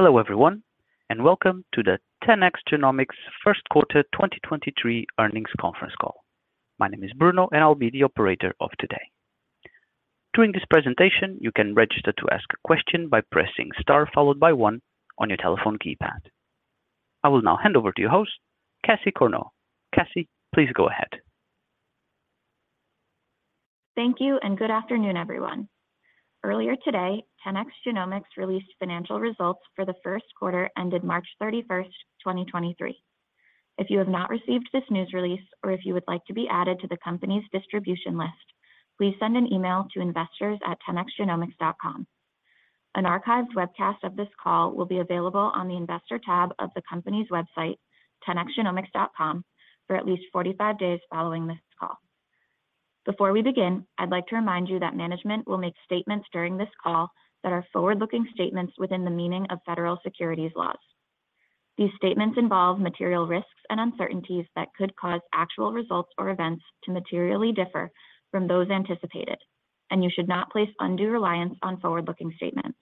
Hello, everyone, and welcome to the 10x Genomics first quarter 2023 earnings conference call. My name is Bruno, and I'll be the operator of today. During this presentation, you can register to ask a question by pressing star followed by one on your telephone keypad. I will now hand over to your host, Cassie Corneau. Cassie, please go ahead. Thank you. Good afternoon, everyone. Earlier today, 10x Genomics released financial results for the first quarter ended March 31st, 2023. If you have not received this news release or if you would like to be added to the company's distribution list, please send an email to investors@10xgenomics.com. An archived webcast of this call will be available on the investor tab of the company's website, 10xgenomics.com, for at least 45 days following this call. Before we begin, I'd like to remind you that management will make statements during this call that are forward-looking statements within the meaning of federal securities laws. These statements involve material risks and uncertainties that could cause actual results or events to materially differ from those anticipated. You should not place undue reliance on forward-looking statements.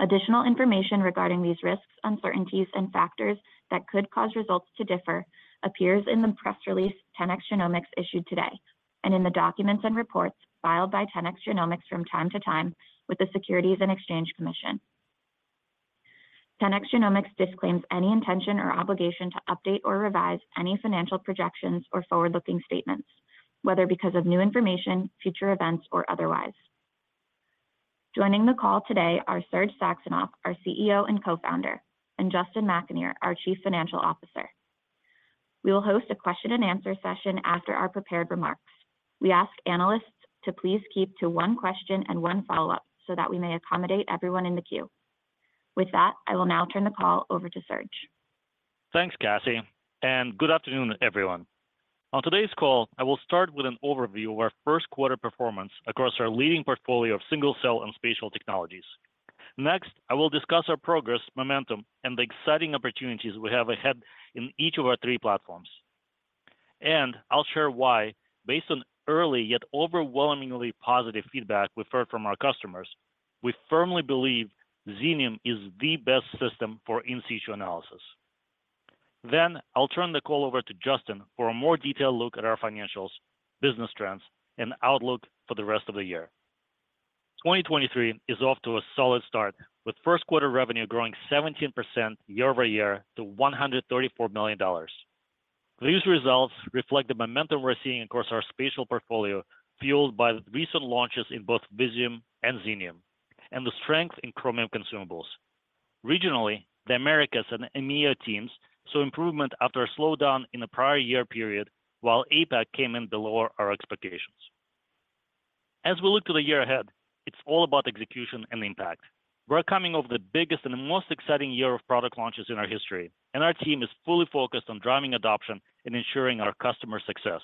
Additional information regarding these risks, uncertainties, and factors that could cause results to differ appears in the press release 10x Genomics issued today, and in the documents and reports filed by 10x Genomics from time to time with the Securities and Exchange Commission. 10x Genomics disclaims any intention or obligation to update or revise any financial projections or forward-looking statements, whether because of new information, future events, or otherwise. Joining the call today are Serge Saxonov, our CEO and Co-Founder, and Justin McAnear, our Chief Financial Officer. We will host a question and answer session after our prepared remarks. We ask analysts to please keep to one question and one follow-up so that we may accommodate everyone in the queue. With that, I will now turn the call over to Serge. Thanks, Cassie. Good afternoon, everyone. On today's call, I will start with an overview of our first quarter performance across our leading portfolio of single-cell and spatial technologies. I will discuss our progress, momentum, and the exciting opportunities we have ahead in each of our three platforms. I'll share why, based on early yet overwhelmingly positive feedback we've heard from our customers, we firmly believe Xenium is the best system for in-situ analysis. I'll turn the call over to Justin for a more detailed look at our financials, business trends, and outlook for the rest of the year. 2023 is off to a solid start, with first quarter revenue growing 17% year-over-year to $134 million. These results reflect the momentum we're seeing across our spatial portfolio, fueled by recent launches in both Visium and Xenium, and the strength in Chromium consumables. Regionally, the Americas and EMEA teams saw improvement after a slowdown in the prior year period, while APAC came in below our expectations. As we look to the year ahead, it's all about execution and impact. We're coming off the biggest and most exciting year of product launches in our history, and our team is fully focused on driving adoption and ensuring our customer success.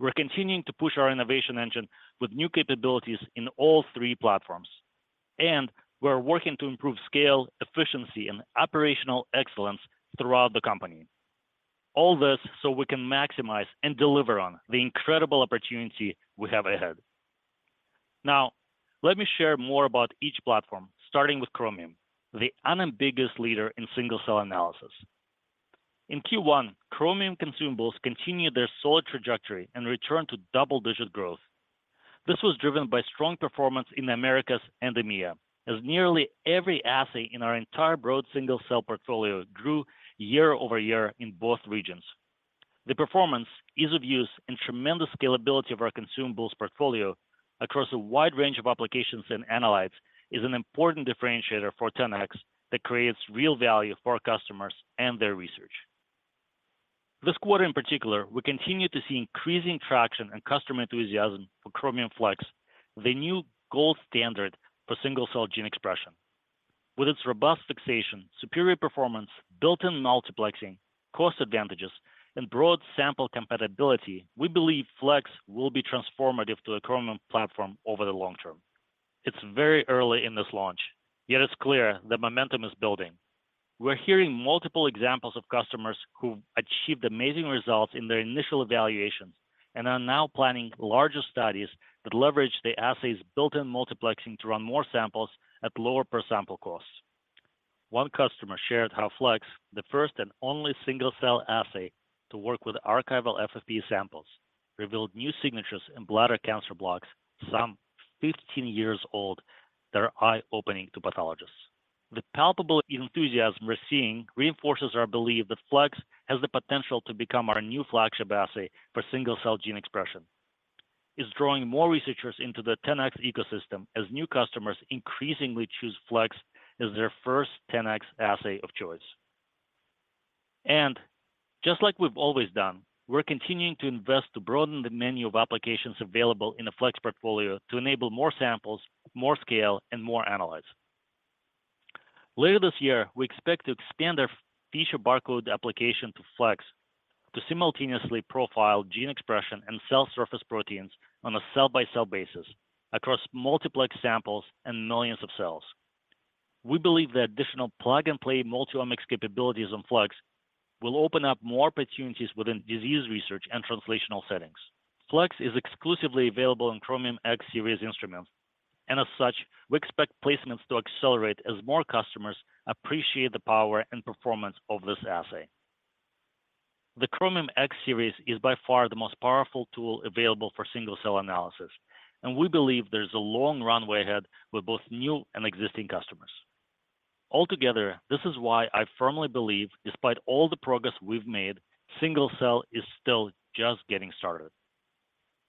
We're continuing to push our innovation engine with new capabilities in all three platforms, and we're working to improve scale, efficiency, and operational excellence throughout the company. All this so we can maximize and deliver on the incredible opportunity we have ahead. Now, let me share more about each platform, starting with Chromium, the unambiguous leader in single-cell analysis. In Q1, Chromium consumables continued their solid trajectory and returned to double-digit growth. This was driven by strong performance in the Americas and EMEA, as nearly every assay in our entire broad single-cell portfolio grew year-over-year in both regions. The performance, ease of use, and tremendous scalability of our consumables portfolio across a wide range of applications and analytes is an important differentiator for 10X that creates real value for our customers and their research. This quarter in particular, we continue to see increasing traction and customer enthusiasm for Chromium Flex, the new gold standard for single-cell gene expression. With its robust fixation, superior performance, built-in multiplexing, cost advantages, and broad sample compatibility, we believe Flex will be transformative to the Chromium platform over the long term. It's very early in this launch, yet it's clear the momentum is building. We're hearing multiple examples of customers who've achieved amazing results in their initial evaluations and are now planning larger studies that leverage the assay's built-in multiplexing to run more samples at lower per sample costs. One customer shared how Flex, the first and only single-cell assay to work with archival FFPE samples, revealed new signatures in bladder cancer blocks some 15 years old that are eye-opening to pathologists. The palpable enthusiasm we're seeing reinforces our belief that Flex has the potential to become our new flagship assay for single-cell gene expression, is drawing more researchers into the 10x ecosystem as new customers increasingly choose Flex as their first 10x assay of choice. Just like we've always done, we're continuing to invest to broaden the menu of applications available in the Flex portfolio to enable more samples, more scale, and more analysis. Later this year, we expect to expand our Feature Barcode application to Flex to simultaneously profile gene expression and cell surface proteins on a cell-by-cell basis across multiplex samples and millions of cells. We believe the additional plug-and-play multi-omics capabilities on Flex will open up more opportunities within disease research and translational settings. Flex is exclusively available in Chromium X Series instruments, and as such, we expect placements to accelerate as more customers appreciate the power and performance of this assay. The Chromium X Series is by far the most powerful tool available for single-cell analysis, and we believe there's a long runway ahead with both new and existing customers. Altogether, this is why I firmly believe despite all the progress we've made, single-cell is still just getting started.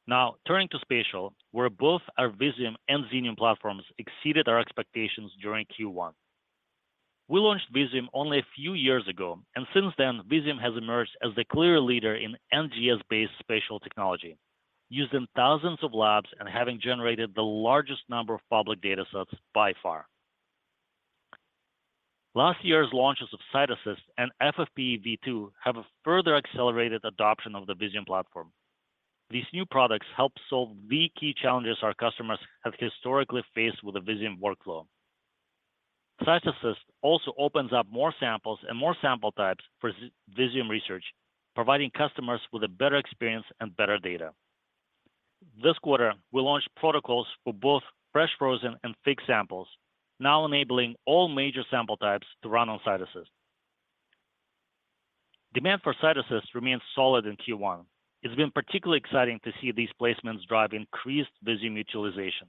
Now turning to spatial, where both our Visium and Xenium platforms exceeded our expectations during Q1. We launched Visium only a few years ago. Since then, Visium has emerged as the clear leader in NGS-based spatial technology, used in thousands of labs and having generated the largest number of public datasets by far. Last year's launches of CytAssist and FFPE v2 have further accelerated adoption of the Visium platform. These new products help solve the key challenges our customers have historically faced with the Visium workflow. CytAssist also opens up more samples and more sample types for Visium research, providing customers with a better experience and better data. This quarter, we launched protocols for both fresh, frozen, and fixed samples, now enabling all major sample types to run on CytAssist. Demand for CytAssist remains solid in Q1. It's been particularly exciting to see these placements drive increased Visium utilization.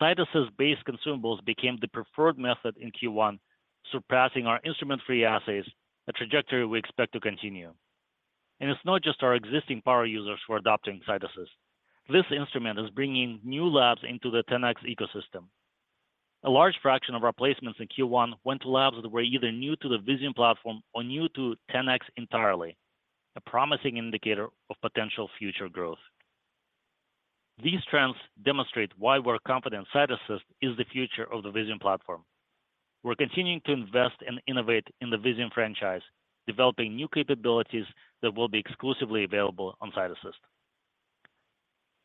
CytAssist base consumables became the preferred method in Q1, surpassing our instrument-free assays, a trajectory we expect to continue. It's not just our existing power users who are adopting CytAssist. This instrument is bringing new labs into the 10x ecosystem. A large fraction of our placements in Q1 went to labs that were either new to the Visium platform or new to 10x entirely, a promising indicator of potential future growth. These trends demonstrate why we're confident CytAssist is the future of the Visium platform. We're continuing to invest and innovate in the Visium franchise, developing new capabilities that will be exclusively available on CytAssist.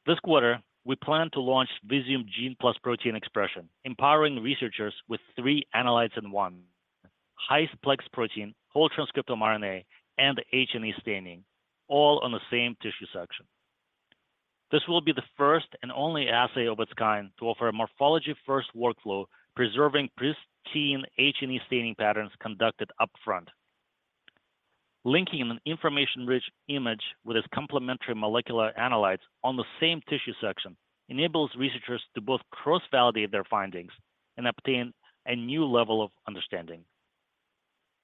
This quarter, we plan to launch Visium Gene+Protein Expression, empowering researchers with three analytes in one, highest plex protein, whole transcriptome RNA, and H&E staining, all on the same tissue section. This will be the first and only assay of its kind to offer a morphology-first workflow, preserving pristine H&E staining patterns conducted upfront. Linking an information-rich image with its complementary molecular analytes on the same tissue section enables researchers to both cross-validate their findings and obtain a new level of understanding.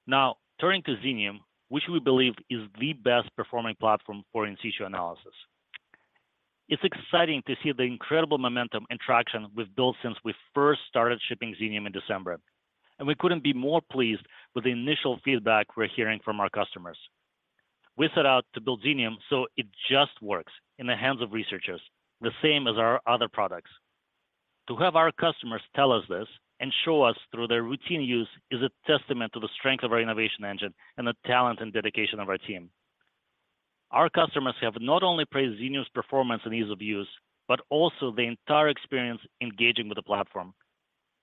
Now, turning to Xenium, which we believe is the best performing platform for in situ analysis. It's exciting to see the incredible momentum and traction we've built since we first started shipping Xenium in December, and we couldn't be more pleased with the initial feedback we're hearing from our customers. We set out to build Xenium, so it just works in the hands of researchers, the same as our other products. To have our customers tell us this and show us through their routine use is a testament to the strength of our innovation engine and the talent and dedication of our team. Our customers have not only praised Xenium's performance and ease of use, but also the entire experience engaging with the platform.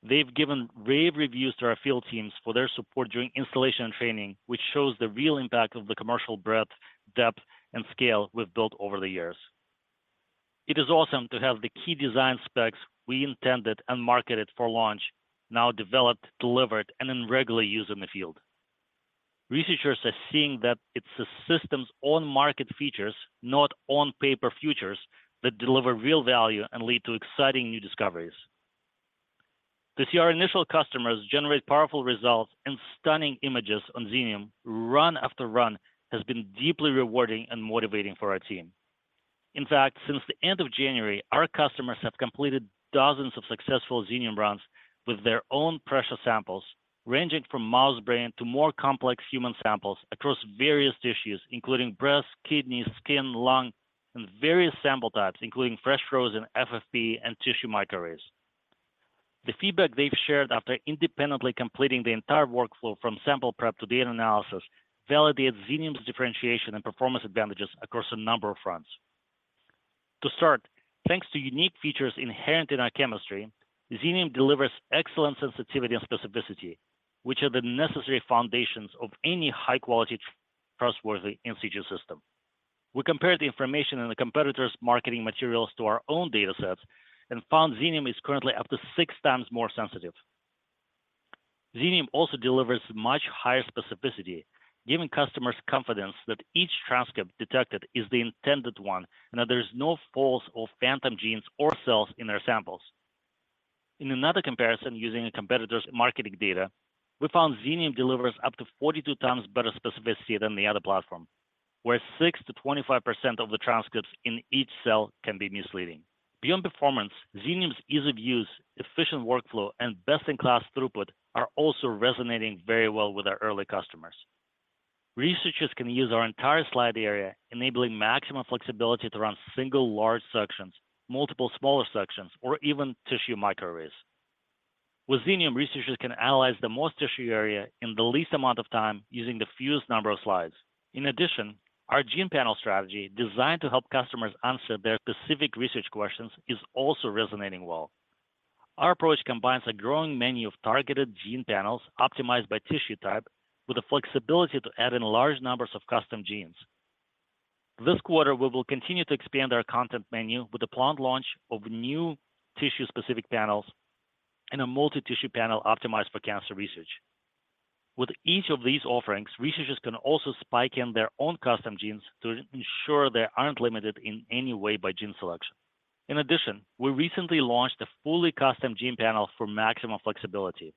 They've given rave reviews to our field teams for their support during installation and training, which shows the real impact of the commercial breadth, depth, and scale we've built over the years. It is awesome to have the key design specs we intended and marketed for launch now developed, delivered, and in regular use in the field. Researchers are seeing that it's the system's on-market features, not on-paper futures, that deliver real value and lead to exciting new discoveries. To see our initial customers generate powerful results and stunning images on Xenium run after run has been deeply rewarding and motivating for our team. In fact, since the end of January, our customers have completed dozens of successful Xenium runs with their own precious samples, ranging from mouse brain to more complex human samples across various tissues, including breast, kidney, skin, lung, and various sample types, including fresh, frozen, FFPE, and tissue microarrays. The feedback they've shared after independently completing the entire workflow from sample prep to data analysis validates Xenium's differentiation and performance advantages across a number of fronts. To start, thanks to unique features inherent in our chemistry, Xenium delivers excellent sensitivity and specificity, which are the necessary foundations of any high-quality, trustworthy in situ system. We compared the information in the competitor's marketing materials to our own datasets and found Xenium is currently up to 6x more sensitive. Xenium also delivers much higher specificity, giving customers confidence that each transcript detected is the intended one and that there is no false or phantom genes or cells in their samples. In another comparison using a competitor's marketing data, we found Xenium delivers up to 42x better specificity than the other platform, where 6%-25% of the transcripts in each cell can be misleading. Beyond performance, Xenium's ease of use, efficient workflow, and best-in-class throughput are also resonating very well with our early customers. Researchers can use our entire slide area, enabling maximum flexibility to run single large sections, multiple smaller sections, or even tissue microarrays. With Xenium, researchers can analyze the most tissue area in the least amount of time using the fewest number of slides. In addition, our gene panel strategy designed to help customers answer their specific research questions is also resonating well. Our approach combines a growing menu of targeted gene panels optimized by tissue type with the flexibility to add in large numbers of custom genes. This quarter, we will continue to expand our content menu with the planned launch of new tissue-specific panels and a multi-tissue panel optimized for cancer research. With each of these offerings, researchers can also spike in their own custom genes to ensure they aren't limited in any way by gene selection. In addition, we recently launched a fully custom gene panel for maximum flexibility.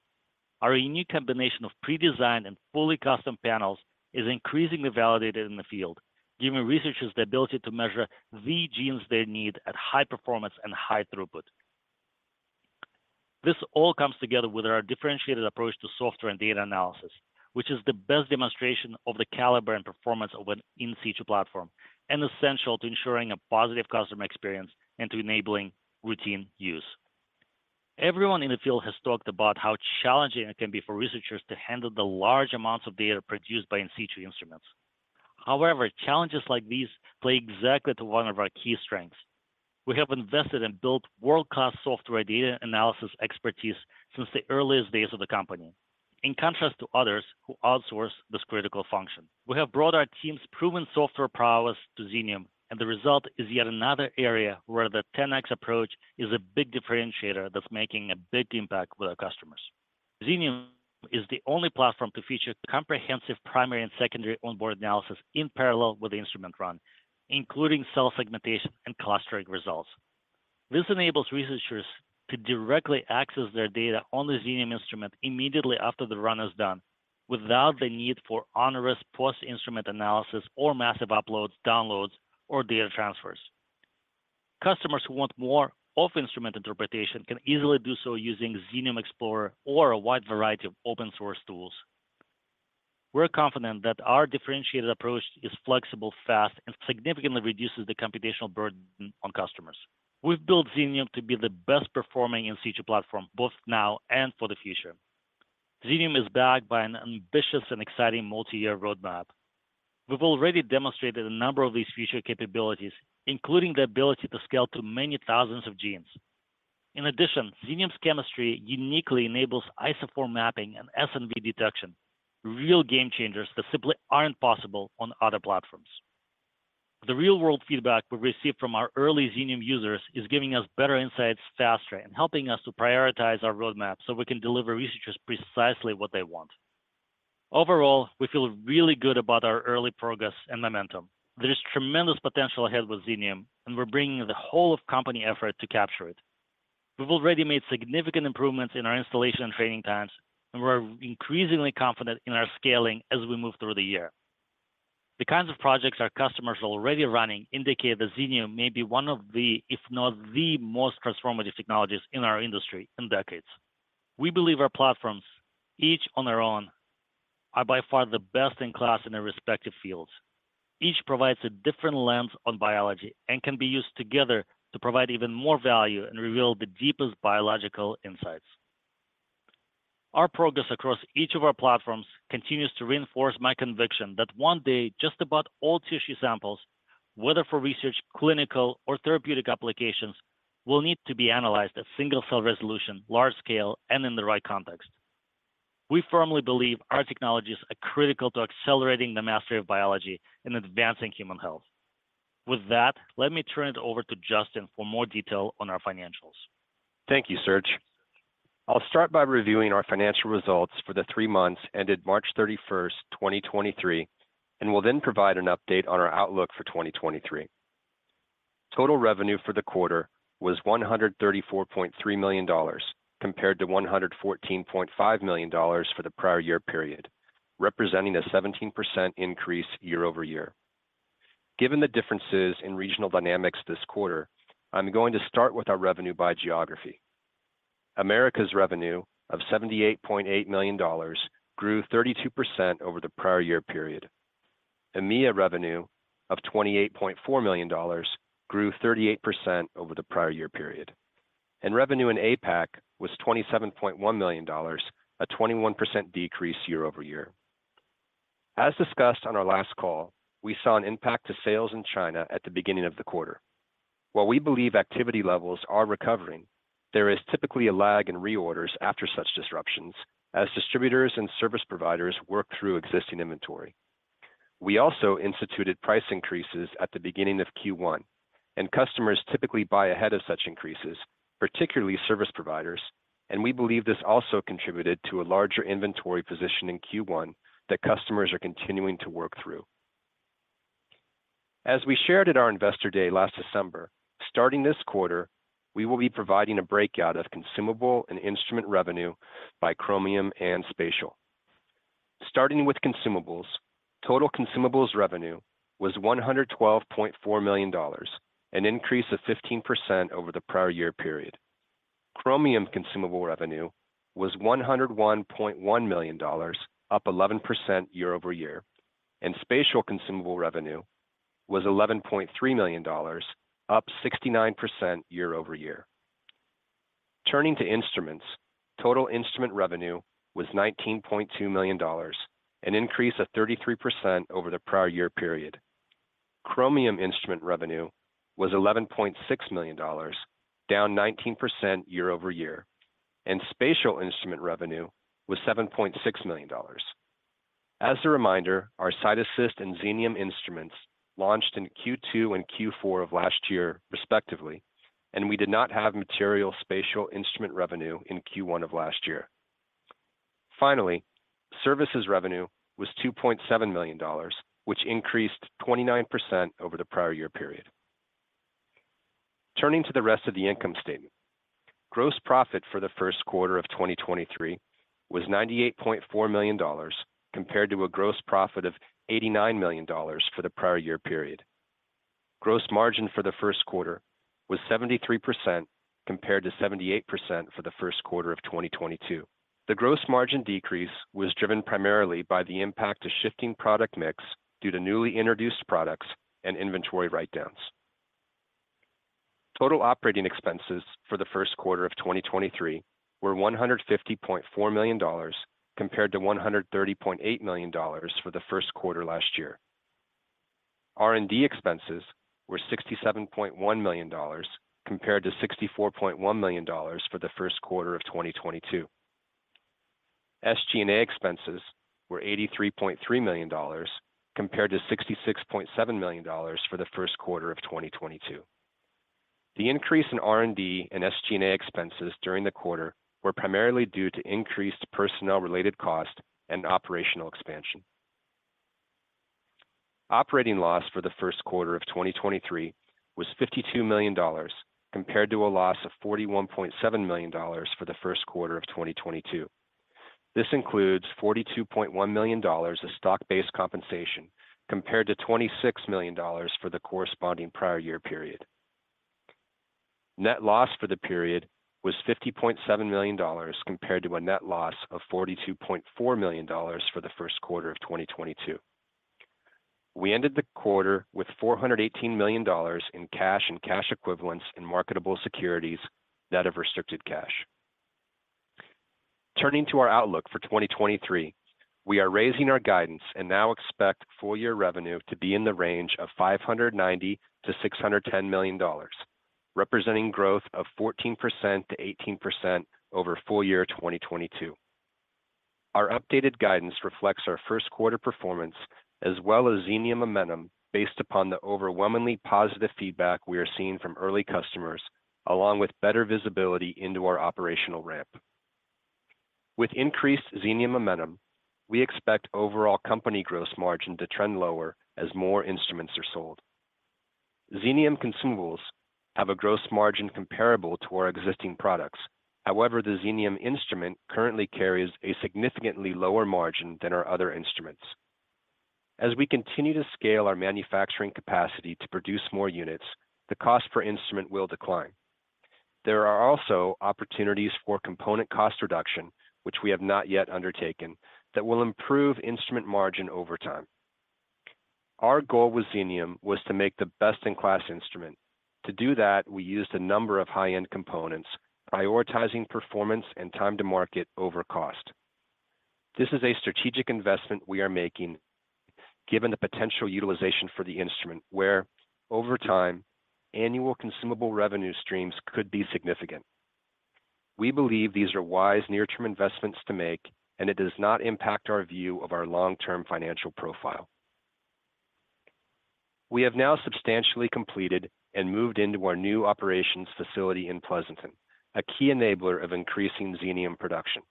Our unique combination of pre-designed and fully custom panels is increasingly validated in the field, giving researchers the ability to measure the genes they need at high performance and high throughput. This all comes together with our differentiated approach to software and data analysis, which is the best demonstration of the caliber and performance of an in situ platform and essential to ensuring a positive customer experience and to enabling routine use. Everyone in the field has talked about how challenging it can be for researchers to handle the large amounts of data produced by in situ instruments. However, challenges like these play exactly to one of our key strengths. We have invested and built world-class software data analysis expertise since the earliest days of the company, in contrast to others who outsource this critical function. We have brought our team's proven software prowess to Xenium, and the result is yet another area where the 10x approach is a big differentiator that's making a big impact with our customers. Xenium is the only platform to feature comprehensive primary and secondary onboard analysis in parallel with the instrument run, including cell segmentation and clustering results. This enables researchers to directly access their data on the Xenium instrument immediately after the run is done, without the need for onerous post instrument analysis or massive uploads, downloads, or data transfers. Customers who want more off-instrument interpretation can easily do so using Xenium Explorer or a wide variety of open source tools. We're confident that our differentiated approach is flexible, fast, and significantly reduces the computational burden on customers. We've built Xenium to be the best performing in situ platform, both now and for the future. Xenium is backed by an ambitious and exciting multi-year roadmap. We've already demonstrated a number of these future capabilities, including the ability to scale to many thousands of genes. In addition, Xenium's chemistry uniquely enables isoform mapping and SNV detection, real game changers that simply aren't possible on other platforms. The real-world feedback we've received from our early Xenium users is giving us better insights faster and helping us to prioritize our roadmap so we can deliver researchers precisely what they want. Overall, we feel really good about our early progress and momentum. There is tremendous potential ahead with Xenium, and we're bringing the whole of company effort to capture it. We've already made significant improvements in our installation and training times, and we're increasingly confident in our scaling as we move through the year. The kinds of projects our customers are already running indicate that Xenium may be one of the, if not the most transformative technologies in our industry in decades. We believe our platforms, each on their own, are by far the best in class in their respective fields. Each provides a different lens on biology and can be used together to provide even more value and reveal the deepest biological insights. Our progress across each of our platforms continues to reinforce my conviction that one day just about all tissue samples, whether for research, clinical, or therapeutic applications, will need to be analyzed at single cell resolution, large scale, and in the right context. We firmly believe our technologies are critical to accelerating the mastery of biology and advancing human health. With that, let me turn it over to Justin for more detail on our financials. Thank you, Serge. I'll start by reviewing our financial results for the three months ended March 31st, 2023, and will then provide an update on our outlook for 2023. Total revenue for the quarter was $134.3 million, compared to $114.5 million for the prior year period, representing a 17% increase year-over-year. Given the differences in regional dynamics this quarter, I'm going to start with our revenue by geography. Americas revenue of $78.8 million grew 32% over the prior year period. EMEA revenue of $28.4 million grew 38% over the prior year period. Revenue in APAC was $27.1 million, a 21% decrease year-over-year. As discussed on our last call, we saw an impact to sales in China at the beginning of the quarter. While we believe activity levels are recovering, there is typically a lag in reorders after such disruptions as distributors and service providers work through existing inventory. We also instituted price increases at the beginning of Q1, and customers typically buy ahead of such increases, particularly service providers, and we believe this also contributed to a larger inventory position in Q1 that customers are continuing to work through. As we shared at our Investor Day last December, starting this quarter, we will be providing a breakout of consumable and instrument revenue by Chromium and Spatial. Starting with consumables, total consumables revenue was $112.4 million, an increase of 15% over the prior-year period. Chromium consumable revenue was $101.1 million, up 11% year-over-year, and Spatial consumable revenue was $11.3 million, up 69% year-over-year. Turning to instruments, total instrument revenue was $19.2 million, an increase of 33% over the prior year period. Chromium instrument revenue was $11.6 million, down 19% year-over-year, and Spatial instrument revenue was $7.6 million. As a reminder, our Visium and Xenium instruments launched in Q2 and Q4 of last year respectively, and we did not have material Spatial instrument revenue in Q1 of last year. Finally, services revenue was $2.7 million, which increased 29% over the prior year period. Turning to the rest of the income statement, gross profit for the first quarter of 2023 was $98.4 million compared to a gross profit of $89 million for the prior year period. Gross margin for the first quarter was 73% compared to 78% for the first quarter of 2022. The gross margin decrease was driven primarily by the impact of shifting product mix due to newly introduced products and inventory write-downs. Total operating expenses for the first quarter of 2023 were $150.4 million compared to $130.8 million for the first quarter last year. R&D expenses were $67.1 million compared to $64.1 million for the first quarter of 2022. SG&A expenses were $83.3 million compared to $66.7 million for the first quarter of 2022. The increase in R&D and SG&A expenses during the quarter were primarily due to increased personnel-related cost and operational expansion. Operating loss for the first quarter of 2023 was $52 million compared to a loss of $41.7 million for the first quarter of 2022. This includes $42.1 million of stock-based compensation compared to $26 million for the corresponding prior year period. Net loss for the period was $50.7 million compared to a net loss of $42.4 million for the first quarter of 2022. We ended the quarter with $418 million in cash and cash equivalents in marketable securities net of restricted cash. Turning to our outlook for 2023, we are raising our guidance and now expect full year revenue to be in the range of $590 million-$610 million, representing growth of 14%-18% over full year 2022. Our updated guidance reflects our first quarter performance as well as Xenium momentum based upon the overwhelmingly positive feedback we are seeing from early customers, along with better visibility into our operational ramp. With increased Xenium momentum, we expect overall company gross margin to trend lower as more instruments are sold. Xenium consumables have a gross margin comparable to our existing products. However, the Xenium instrument currently carries a significantly lower margin than our other instruments. As we continue to scale our manufacturing capacity to produce more units, the cost per instrument will decline. There are also opportunities for component cost reduction, which we have not yet undertaken, that will improve instrument margin over time. Our goal with Xenium was to make the best-in-class instrument. To do that, we used a number of high-end components, prioritizing performance and time to market over cost. This is a strategic investment we are making given the potential utilization for the instrument, where over time, annual consumable revenue streams could be significant. We believe these are wise near-term investments to make, and it does not impact our view of our long-term financial profile. We have now substantially completed and moved into our new operations facility in Pleasanton, a key enabler of increasing Xenium production.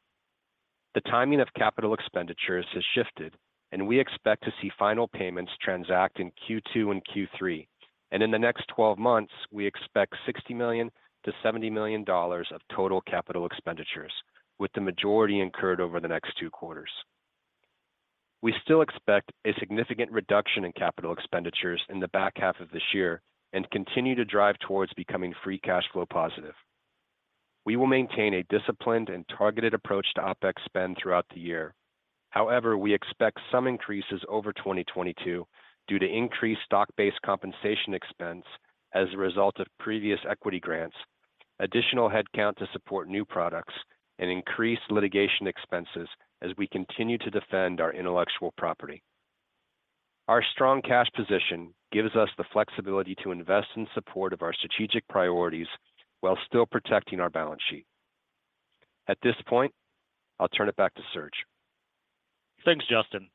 The timing of capital expenditures has shifted, and we expect to see final payments transact in Q2 and Q3. In the next 12 months, we expect $60 million-$70 million of total capital expenditures, with the majority incurred over the next two quarters. We still expect a significant reduction in capital expenditures in the back half of this year and continue to drive towards becoming free cash flow positive. We will maintain a disciplined and targeted approach to OpEx spend throughout the year. However, we expect some increases over 2022 due to increased stock-based compensation expense as a result of previous equity grants, additional headcount to support new products, and increased litigation expenses as we continue to defend our intellectual property. Our strong cash position gives us the flexibility to invest in support of our strategic priorities while still protecting our balance sheet. At this point, I'll turn it back to Serge. Thanks, Justin.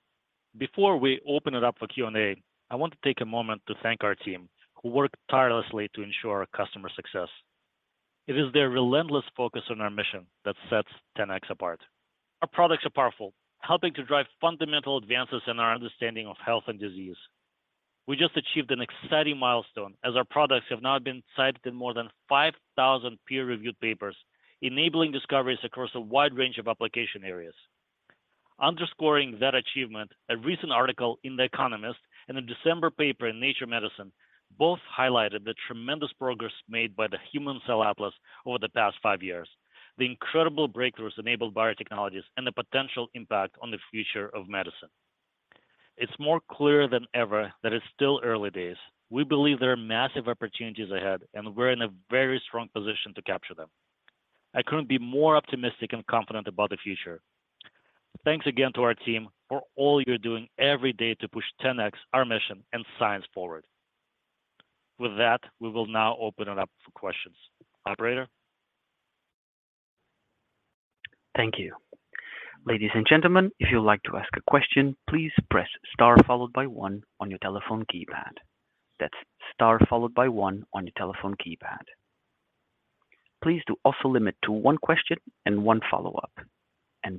Before we open it up for Q&A, I want to take a moment to thank our team who work tirelessly to ensure our customer success. It is their relentless focus on our mission that sets 10x apart. Our products are powerful, helping to drive fundamental advances in our understanding of health and disease. We just achieved an exciting milestone as our products have now been cited in more than 5,000 peer-reviewed papers, enabling discoveries across a wide range of application areas. Underscoring that achievement, a recent article in The Economist and a December paper in Nature Medicine both highlighted the tremendous progress made by the Human Cell Atlas over the past five years, the incredible breakthroughs enabled by our technologies, and the potential impact on the future of medicine. It's more clear than ever that it's still early days. We believe there are massive opportunities ahead, and we're in a very strong position to capture them. I couldn't be more optimistic and confident about the future. Thanks again to our team for all you're doing every day to push 10x our mission and science forward. With that, we will now open it up for questions. Operator? Thank you. Ladies and gentlemen, if you'd like to ask a question, please press star followed by one on your telephone keypad. That's star followed by one on your telephone keypad. Please do also limit to one question and one follow-up.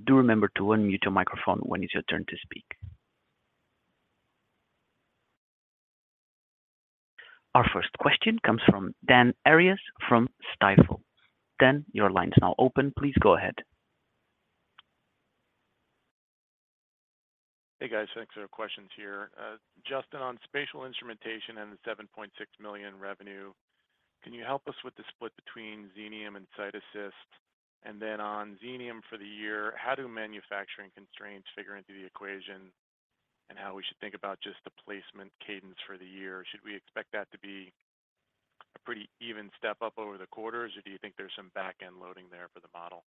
Do remember to unmute your microphone when it's your turn to speak. Our first question comes from Dan Arias from Stifel. Dan, your line is now open. Please go ahead. Hey, guys. Thanks for the questions here. Justin, on spatial instrumentation and the $7.6 million revenue, can you help us with the split between Xenium and Visium? Then on Xenium for the year, how do manufacturing constraints figure into the equation in how we should think about just the placement cadence for the year? Should we expect that to be a pretty even step up over the quarters, or do you think there's some back-end loading there for the model?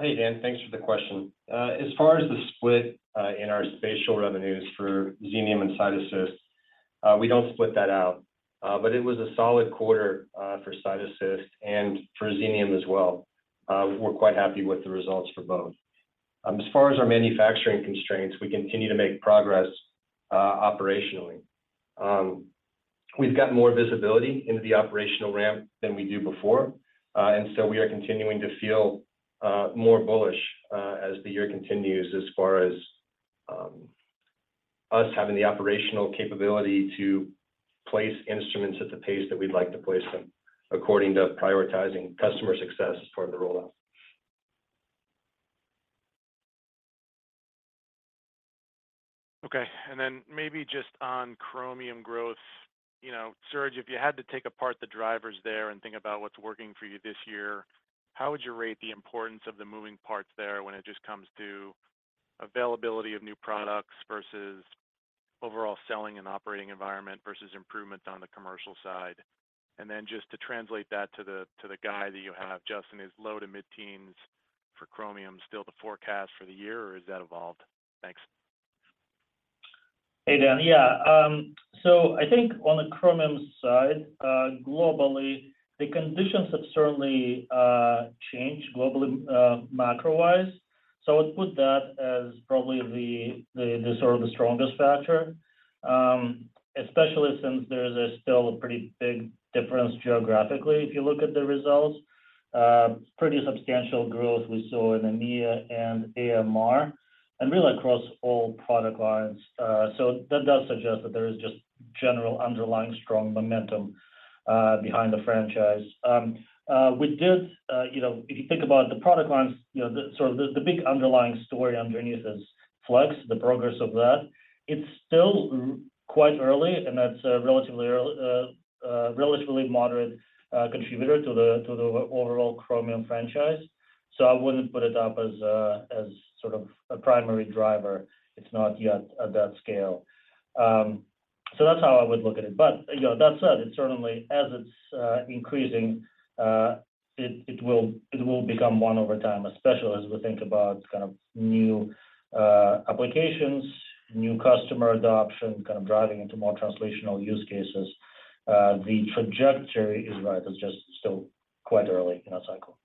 Hey, Dan. Thanks for the question. As far as the split in our spatial revenues for Xenium and Visium, we don't split that out. It was a solid quarter for Visium and for Xenium as well. We're quite happy with the results for both. As far as our manufacturing constraints, we continue to make progress operationally. We've got more visibility into the operational ramp than we do before. We are continuing to feel more bullish as the year continues as far as us having the operational capability to place instruments at the pace that we'd like to place them according to prioritizing customer success as part of the rollout. Okay. Then maybe just on Chromium growth. You know, Serge, if you had to take apart the drivers there and think about what's working for you this year, how would you rate the importance of the moving parts there when it just comes to availability of new products versus overall selling and operating environment versus improvements on the commercial side? Then just to translate that to the, to the guide that you have, Justin, is low to mid-teens for Chromium still the forecast for the year, or has that evolved? Thanks. Hey, Dan. Yeah. I think on the Chromium side, globally, the conditions have certainly changed globally, macro-wise. I'd put that as probably the sort of the strongest factor, especially since there is a still a pretty big difference geographically, if you look at the results. Pretty substantial growth we saw in EMEA and AMR and really across all product lines. That does suggest that there is just general underlying strong momentum behind the franchise. We did, you know, if you think about the product lines, you know, the sort of the big underlying story underneath is Flex, the progress of that. It's still quite early, and that's a relatively early, relatively moderate contributor to the overall Chromium franchise. I wouldn't put it up as sort of a primary driver. It's not yet at that scale. That's how I would look at it. You know, that said, it certainly as it's increasing, it will become one over time, especially as we think about kind of new applications, new customer adoption, kind of driving into more translational use cases. The trajectory is right, just still quite early in our cycle.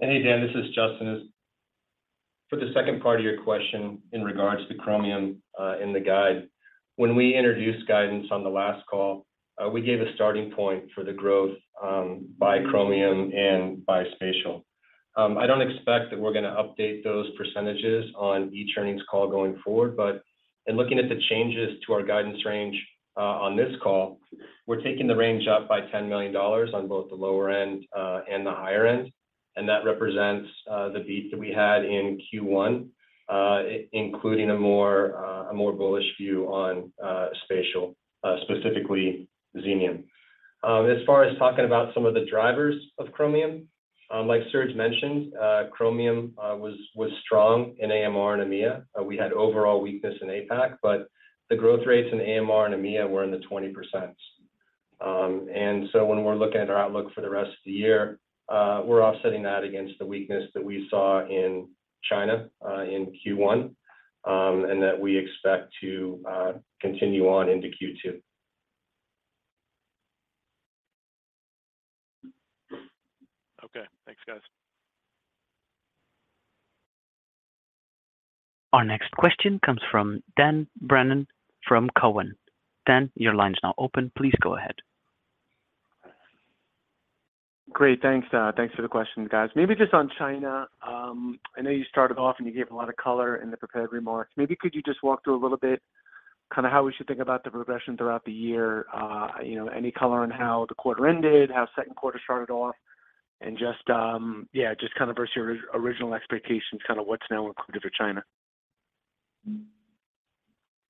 Hey, Dan, this is Justin. For the second part of your question in regards to Chromium, in the guide, when we introduced guidance on the last call, we gave a starting point for the growth by Chromium and by Spatial. I don't expect that we're gonna update those percentages on each earnings call going forward. In looking at the changes to our guidance range, on this call, we're taking the range up by $10 million on both the lower end and the higher end, and that represents the beat that we had in Q1, including a more bullish view on Spatial, specifically Xenium. As far as talking about some of the drivers of Chromium, like Serge mentioned, Chromium was strong in AMR and EMEA. We had overall weakness in APAC, but the growth rates in AMR and EMEA were in the 20%. When we're looking at our outlook for the rest of the year, we're offsetting that against the weakness that we saw in China, in Q1, and that we expect to continue on into Q2. Okay. Thanks, guys. Our next question comes from Dan Brennan from Cowen. Dan, your line is now open. Please go ahead. Great. Thanks. Thanks for the questions, guys. Maybe just on China, I know you started off, and you gave a lot of color in the prepared remarks. Maybe could you just walk through a little bit kind of how we should think about the progression throughout the year? You know, any color on how the quarter ended, how second quarter started off, and just, yeah, just kind of versus your original expectations, kind of what's now included for China?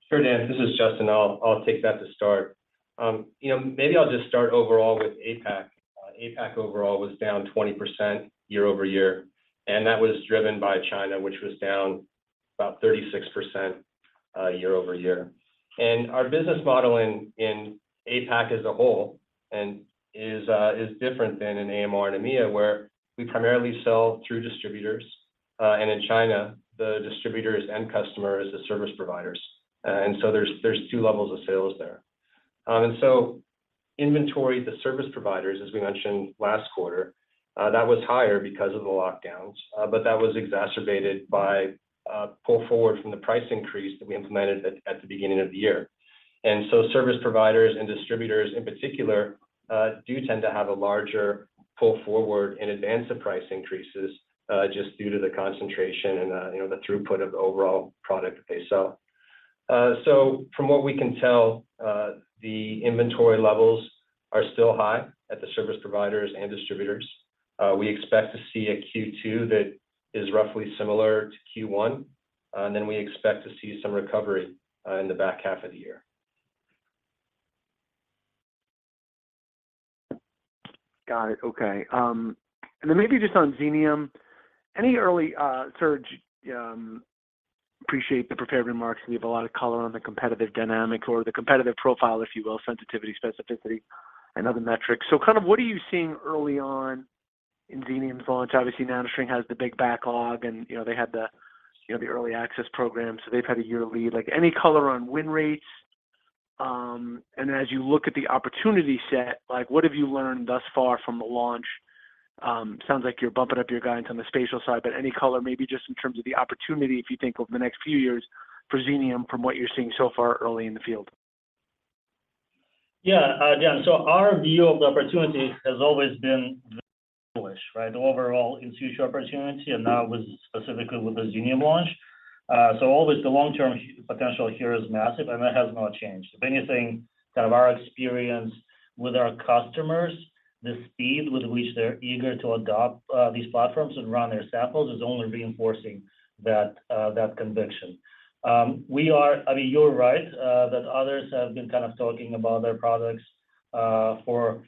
Sure, Dan. This is Justin. I'll take that to start. You know, maybe I'll just start overall with APAC. APAC overall was down 20% year-over-year, and that was driven by China, which was down About 36% year-over-year. Our business model in APAC as a whole is different than in AMR and EMEA, where we primarily sell through distributors. In China, the distributors end customer is the service providers. So there's two levels of sales there. So inventory, the service providers, as we mentioned last quarter, that was higher because of the lockdowns. That was exacerbated by pull forward from the price increase that we implemented at the beginning of the year. So service providers and distributors in particular do tend to have a larger pull forward in advance of price increases just due to the concentration and, you know, the throughput of the overall product that they sell. From what we can tell, the inventory levels are still high at the service providers and distributors. We expect to see a Q2 that is roughly similar to Q1. We expect to see some recovery in the back half of the year. Got it. Okay. Maybe just on Xenium, any early, Serge, appreciate the prepared remarks. We have a lot of color on the competitive dynamic or the competitive profile, if you will, sensitivity, specificity and other metrics. Kind of what are you seeing early on in Xenium's launch? Obviously, NanoString has the big backlog and, you know, they had the, you know, the early access program, so they've had a year lead. Any color on win rates? And as you look at the opportunity set, like what have you learned thus far from the launch? Sounds like you're bumping up your guidance on the spatial side, but any color maybe just in terms of the opportunity, if you think over the next few years for Xenium from what you're seeing so far early in the field. Yeah. Yeah. Our view of the opportunity has always been very bullish, right? The overall in situ opportunity and now with specifically with the Xenium launch. Always the long term potential here is massive and that has not changed. If anything, kind of our experience with our customers, the speed with which they're eager to adopt these platforms and run their samples is only reinforcing that conviction. I mean, you're right that others have been kind of talking about their products for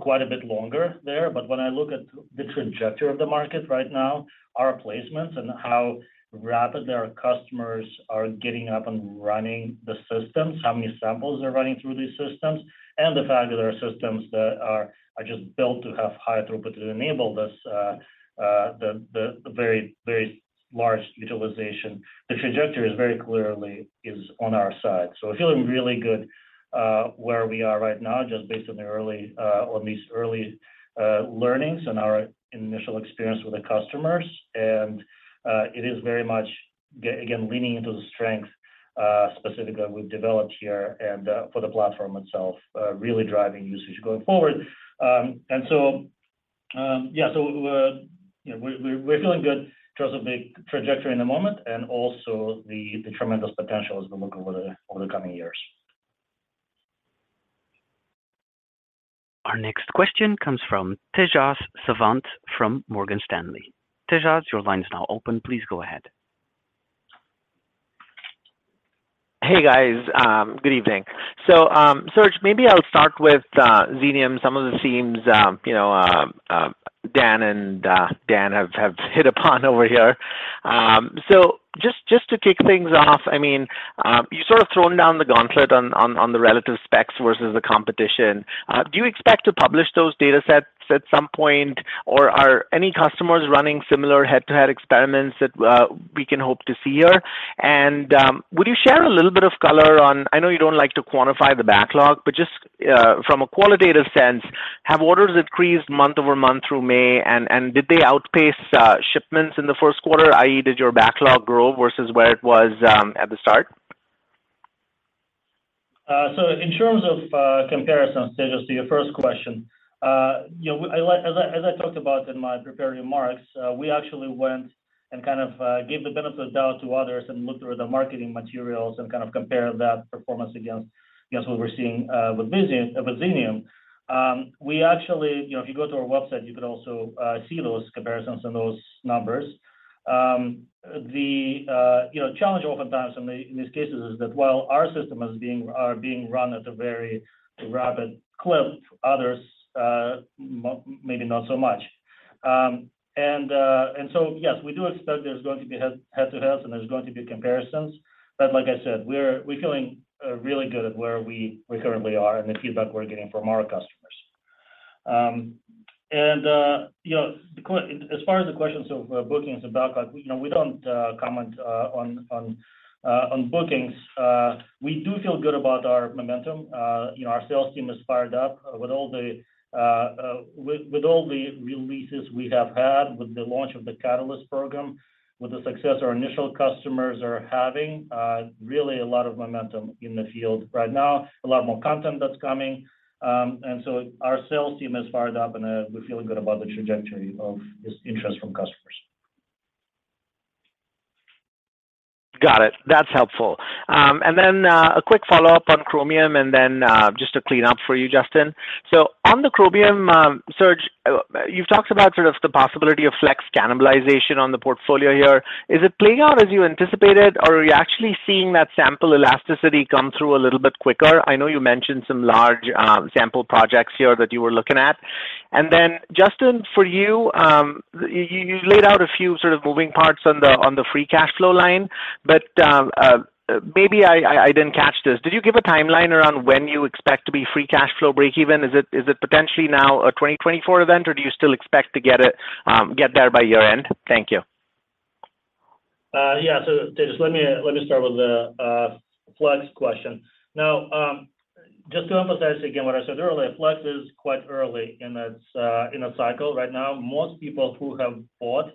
quite a bit longer there. When I look at the trajectory of the market right now, our placements and how rapid our customers are getting up and running the systems, how many samples are running through these systems and the fact that our systems that are just built to have high throughput to enable this, the very, very large utilization. The trajectory is very clearly is on our side. We're feeling really good where we are right now just based on the early on these early learnings and our initial experience with the customers. It is very much again, leaning into the strength specifically we've developed here and for the platform itself, really driving usage going forward. Yeah, you know, we're feeling good in terms of the trajectory in the moment and also the tremendous potential as we look over the, over the coming years. Our next question comes from Tejas Savant from Morgan Stanley. Tejas, your line is now open. Please go ahead. Hey, guys. Good evening. Serge, maybe I'll start with Xenium. Some of the themes, you know, Dan and Dan have hit upon over here. Just to kick things off, I mean, you sort of thrown down the gauntlet on the relative specs versus the competition. Do you expect to publish those datasets at some point, or are any customers running similar head-to-head experiments that we can hope to see here? Would you share a little bit of color on... I know you don't like to quantify the backlog, but just from a qualitative sense, have orders increased month-over-month through May? Did they outpace shipments in the first quarter, i.e, did your backlog grow versus where it was at the start? In terms of comparisons, Tejas, to your first question, you know, as I talked about in my prepared remarks, we actually went and kind of gave the benefit of the doubt to others and looked through the marketing materials and kind of compared that performance against what we're seeing with Xenium. We actually, you know, if you go to our website, you could also see those comparisons and those numbers. The, you know, challenge oftentimes in these cases is that while our system are being run at a very rapid clip, others, maybe not so much. Yes, we do expect there's going to be head-to-heads, and there's going to be comparisons. Like I said, we're feeling really good at where we currently are and the feedback we're getting from our customers. You know, as far as the questions of bookings and backlog, you know, we don't comment on bookings. We do feel good about our momentum. You know, our sales team is fired up with all the releases we have had with the launch of the Catalyst program, with the success our initial customers are having, really a lot of momentum in the field right now, a lot more content that's coming. Our sales team is fired up, and we're feeling good about the trajectory of this interest from customers. Got it. That's helpful. A quick follow-up on Chromium, then just to clean up for you, Justin. On the Chromium, Serge, you've talked about sort of the possibility of Flex cannibalization on the portfolio here. Is it playing out as you anticipated, or are you actually seeing that sample elasticity come through a little bit quicker? I know you mentioned some large sample projects here that you were looking at. Justin, for you laid out a few sort of moving parts on the free cash flow line, but maybe I didn't catch this. Did you give a timeline around when you expect to be free cash flow breakeven? Is it potentially now a 2024 event, or do you still expect to get it, get there by year-end? Thank you. Yeah. Tejas, let me start with the Flex question. Just to emphasize again what I said earlier, Flex is quite early in its cycle right now. Most people who have bought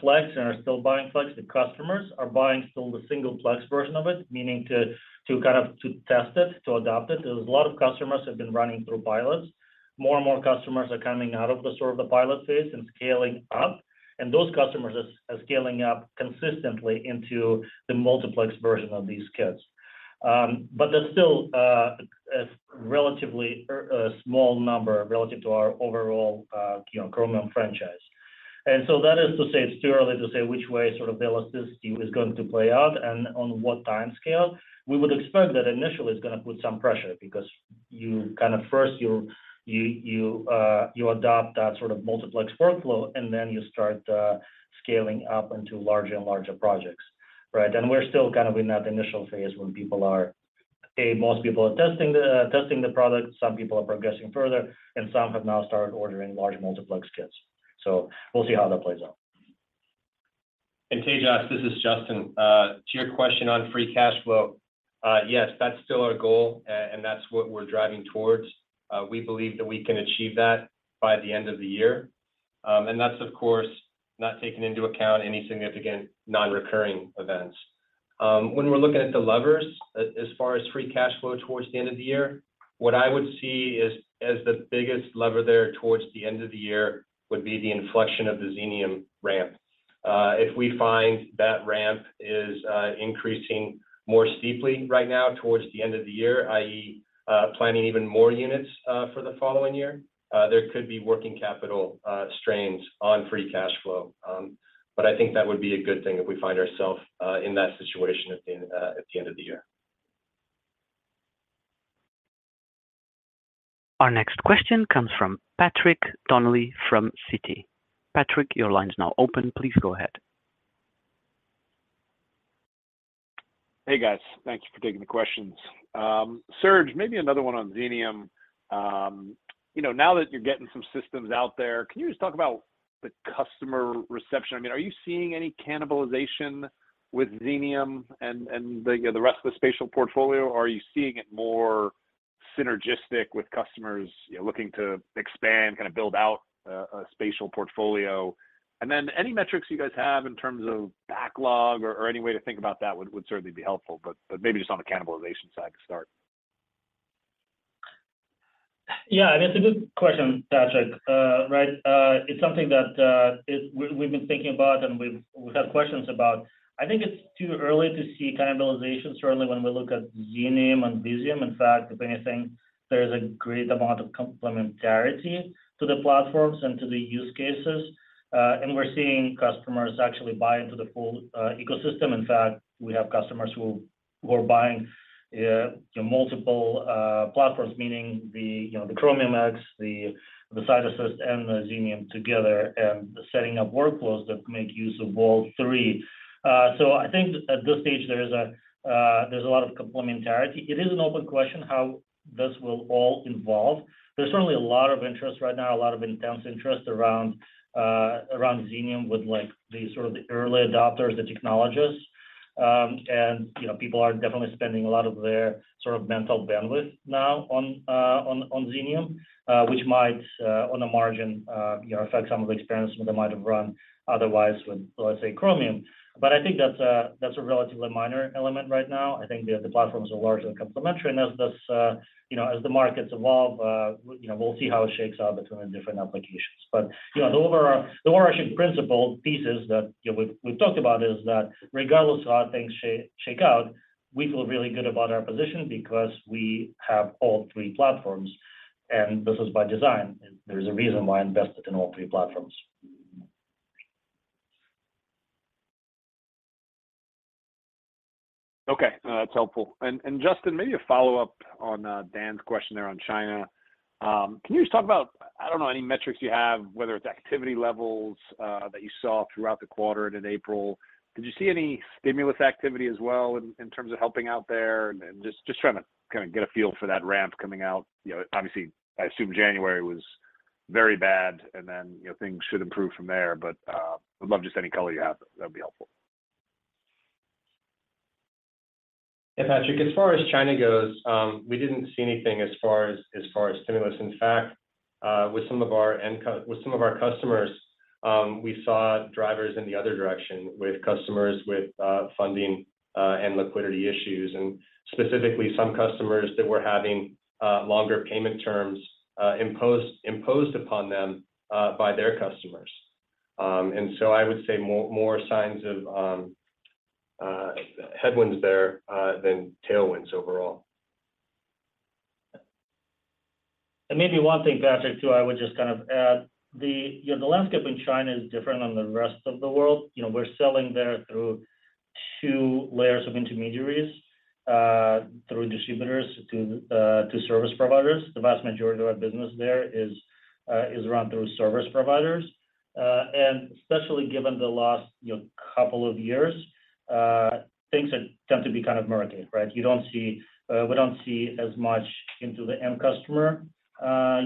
Flex and are still buying Flex, the customers are buying still the single Flex version of it, meaning to kind of to test it, to adopt it. There's a lot of customers have been running through pilots. More and more customers are coming out of the sort of the pilot phase and scaling up, and those customers are scaling up consistently into the multiplex version of these kits. There's still a relatively or a small number relative to our overall, you know, Chromium franchise. That is to say, it's too early to say which way sort of the elasticity is going to play out and on what timescale. We would expect that initially it's gonna put some pressure because you kind of first you adopt that sort of multiplex workflow, and then you start scaling up into larger and larger projects, right? We're still kind of in that initial phase when people are, A, most people are testing the product, some people are progressing further, and some have now started ordering large multiplex kits. We'll see how that plays out. Tejas, this is Justin. To your question on free cash flow, yes, that's still our goal and that's what we're driving towards. We believe that we can achieve that by the end of the year. That's, of course, not taking into account any significant non-recurring events. When we're looking at the levers as far as free cash flow towards the end of the year, what I would see as the biggest lever there towards the end of the year would be the inflection of the Xenium ramp. If we find that ramp is increasing more steeply right now towards the end of the year, i.e., planning even more units for the following year, there could be working capital strains on free cash flow. I think that would be a good thing if we find ourself in that situation at the end, at the end of the year. Our next question comes from Patrick Donnelly from Citi. Patrick, your line's now open. Please go ahead. Hey, guys. Thank you for taking the questions. Serge, maybe another one on Xenium. You know, now that you're getting some systems out there, can you just talk about the customer reception? I mean, are you seeing any cannibalization with Xenium and the rest of the spatial portfolio, or are you seeing it more synergistic with customers, you know, looking to expand, kind of build out a spatial portfolio? Then any metrics you guys have in terms of backlog or any way to think about that would certainly be helpful. But maybe just on the cannibalization side to start. Yeah. It's a good question, Patrick. Right. It's something that we've been thinking about, and we've had questions about. I think it's too early to see cannibalization, certainly when we look at Xenium and Visium. In fact, if anything, there's a great amount of complementarity to the platforms and to the use cases. We're seeing customers actually buy into the full ecosystem. In fact, we have customers who are buying, you know, multiple platforms, meaning the, you know, the Chromium X, the CytAssist, and the Xenium together, and the setting up workflows that make use of all three. I think at this stage, there's a lot of complementarity. It is an open question how this will all evolve. There's certainly a lot of interest right now, a lot of intense interest around Xenium with, like, the sort of the early adopters, the technologists. You know, people are definitely spending a lot of their sort of mental bandwidth now on Xenium, which might on the margin, you know, affect some of the experiments that they might have run otherwise with, let's say, Chromium. I think that's a, that's a relatively minor element right now. I think the platforms are largely complementary. As this, you know, as the markets evolve, you know, we'll see how it shakes out between the different applications. You know, the overall, the overarching principle pieces that, you know, we've talked about is that regardless of how things shake out, we feel really good about our position because we have all three platforms, and this is by design. There's a reason why I invested in all three platforms. Okay. That's helpful. Justin, maybe a follow-up on Dan's question there on China. Can you just talk about, I don't know, any metrics you have, whether it's activity levels that you saw throughout the quarter and in April? Did you see any stimulus activity as well in terms of helping out there? Just trying to kind of get a feel for that ramp coming out. You know, obviously, I assume January was very bad, and then, you know, things should improve from there. Would love just any color you have. That'd be helpful. Yeah, Patrick, as far as China goes, we didn't see anything as far as stimulus. In fact, with some of our customers, we saw drivers in the other direction with customers with funding and liquidity issues, and specifically some customers that were having longer payment terms imposed upon them by their customers. So I would say more signs of headwinds there than tailwinds overall. Maybe one thing, Patrick, too, I would just kind of add. The, you know, the landscape in China is different than the rest of the world. You know, we're selling there through two layers of intermediaries, through distributors to service providers. The vast majority of our business there is run through service providers. Especially given the last, you know, couple of years, things have tend to be kind of murky, right? You don't see. We don't see as much into the end customer,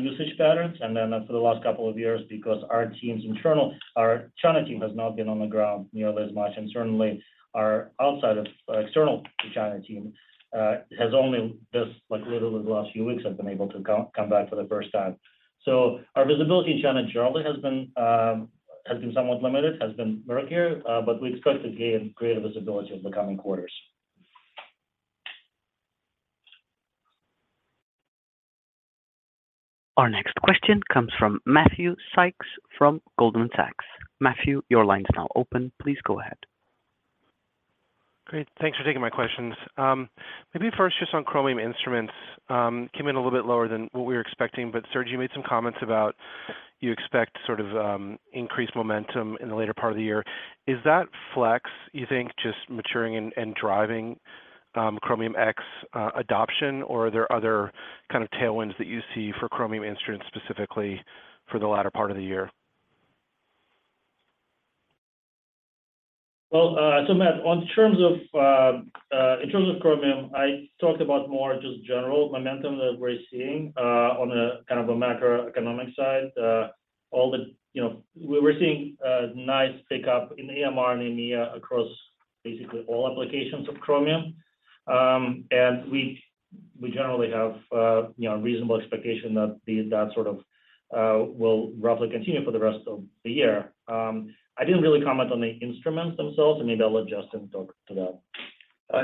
usage patterns. Then for the last couple of years, because our China team has not been on the ground nearly as much, and certainly our outside of, external to China team, has only just, like literally the last few weeks have been able to come back for the first time. Our visibility in China generally has been somewhat limited, has been murkier, but we expect to gain greater visibility over the coming quarters. Our next question comes from Matthew Sykes from Goldman Sachs. Matthew, your line is now open. Please go ahead. Great. Thanks for taking my questions. Maybe first just on Chromium instruments, came in a little bit lower than what we were expecting. Serge, you made some comments about you expect sort of increased momentum in the later part of the year. Is that Flex, you think, just maturing and driving Chromium X adoption, or are there other kind of tailwinds that you see for Chromium instruments specifically for the latter part of the year? Matt, on terms of, in terms of Chromium, I talked about more just general momentum that we're seeing on a kind of a macroeconomic side. You know, we were seeing a nice pickup in AMR and EMEA across basically all applications of Chromium. We generally have, you know, reasonable expectation that these, that sort of, will roughly continue for the rest of the year. I didn't really comment on the instruments themselves, and maybe I'll let Justin talk to that.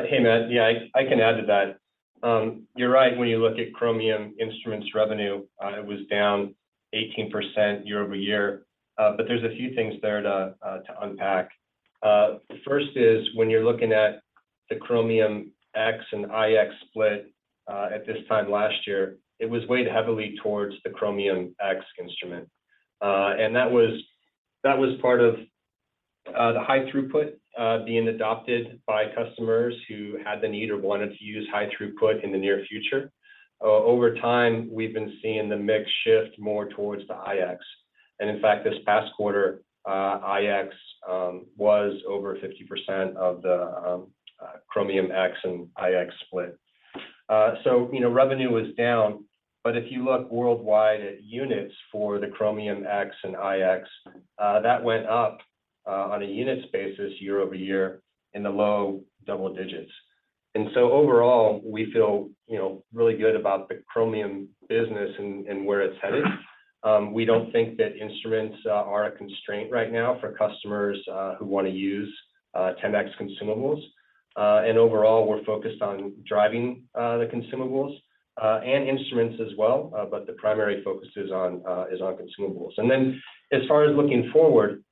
Hey, Matt. Yeah, I can add to that. You're right, when you look at Chromium instruments revenue, it was down 18% year-over-year. There's a few things there to unpack. The first is when you're looking at the Chromium X and iX split, at this time last year, it was weighed heavily towards the Chromium X instrument. That was part of the high throughput being adopted by customers who had the need or wanted to use high throughput in the near future. Over time, we've been seeing the mix shift more towards the iX. In fact, this past quarter, iX was over 50% of the Chromium X and iX split. You know, revenue was down, but if you look worldwide at units for the Chromium X and iX, that went up on a unit basis year-over-year in the low double digits. Overall, we feel, you know, really good about the Chromium business and where it's headed. We don't think that instruments are a constraint right now for customers who want to use 10x consumables. Overall, we're focused on driving the consumables and instruments as well, but the primary focus is on consumables. As far as looking forward,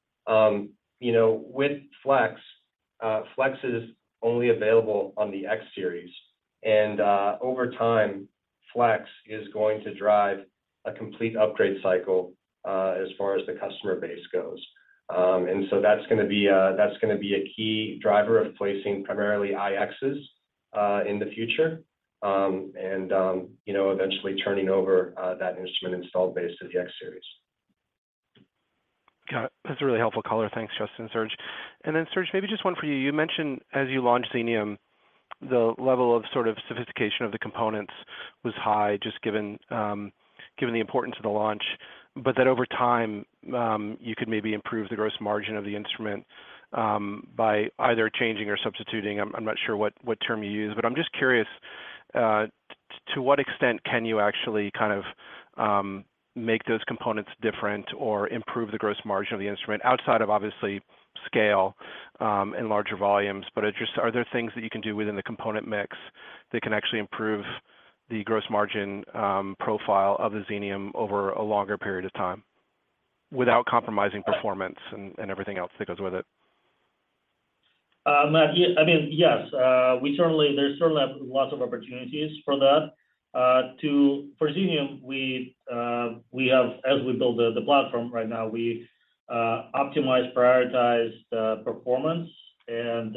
you know, with Flex is only available on the X Series. Over time, Flex is going to drive a complete upgrade cycle as far as the customer base goes. That's gonna be a key driver of placing primarily iXs in the future, and, you know, eventually turning over that instrument installed base to the X Series. Got it. That's a really helpful color. Thanks, Justin and Serge. Serge, maybe just one for you. You mentioned as you launched Xenium, the level of sort of sophistication of the components was high, just given given the importance of the launch, but that over time, you could maybe improve the gross margin of the instrument, by either changing or substituting. I'm not sure what term you use, but I'm just curious, to what extent can you actually kind of make those components different or improve the gross margin of the instrument outside of obviously scale, and larger volumes. I just... Are there things that you can do within the component mix that can actually improve the gross margin, profile of the Xenium over a longer period of time without compromising performance and everything else that goes with it? Matt, yeah. I mean, yes, there's certainly lots of opportunities for that. For Xenium, as we build the platform right now, we optimize, prioritize the performance and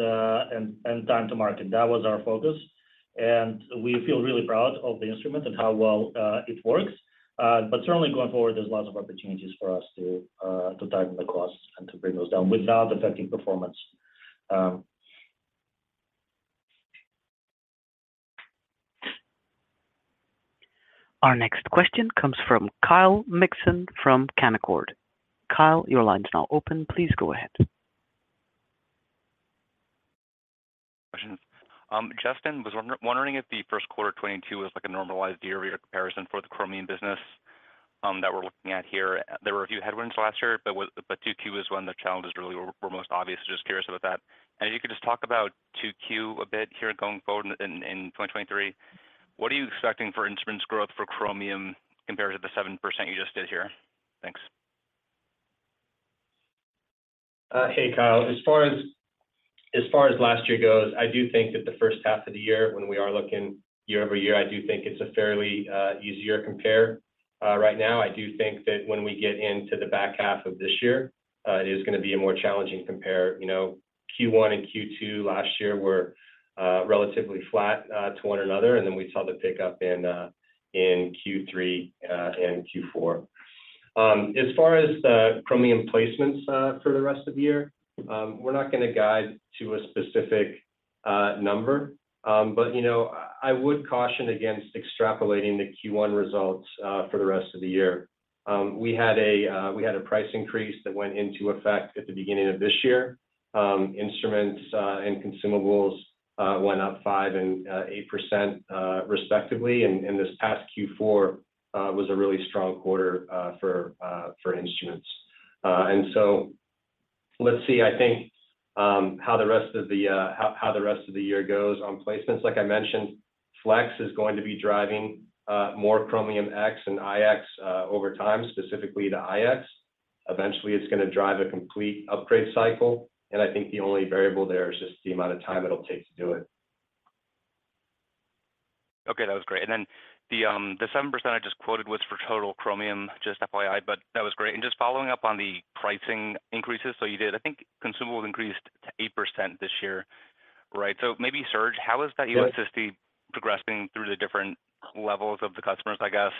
time to market. That was our focus. We feel really proud of the instrument and how well it works. Certainly going forward, there's lots of opportunities for us to tighten the costs and to bring those down without affecting performance. Our next question comes from Kyle Mikson from Canaccord. Kyle, your line is now open. Please go ahead. Questions. Justin, wondering if the first quarter 2022 was like a normalized year-over-year comparison for the Chromium business that we're looking at here. There were a few headwinds last year, but 2Q was when the challenges really were most obvious. Just curious about that. And if you could just talk about 2Q a bit here going forward in 2023. What are you expecting for instruments growth for Chromium compared to the 7% you just did here? Thanks. Hey, Kyle. As far as last year goes, I do think that the first half of the year when we are looking year-over-year, I do think it's a fairly easier compare. Right now I do think that when we get into the back half of this year, it is gonna be a more challenging compare. You know, Q1 and Q2 last year were relatively flat to one another, and then we saw the pickup in Q3 and Q4. As far as the Chromium placements for the rest of the year, we're not gonna guide to a specific number. You know, I would caution against extrapolating the Q1 results for the rest of the year. We had a price increase that went into effect at the beginning of this year. Instruments and consumables went up 5% and 8%, respectively. This past Q4 was a really strong quarter for instruments. Let's see, I think, how the rest of the year goes on placements. Like I mentioned, Flex is going to be driving, more Chromium X and iX, over time, specifically the iX. Eventually, it's gonna drive a complete upgrade cycle, and I think the only variable there is just the amount of time it'll take to do it. Okay, that was great. The 7% I just quoted was for total Chromium, just FYI, but that was great. Just following up on the pricing increases. You did, I think consumables increased to 8% this year, right? Maybe Serge, how is that elasticity progressing through the different levels of the customers, I guess?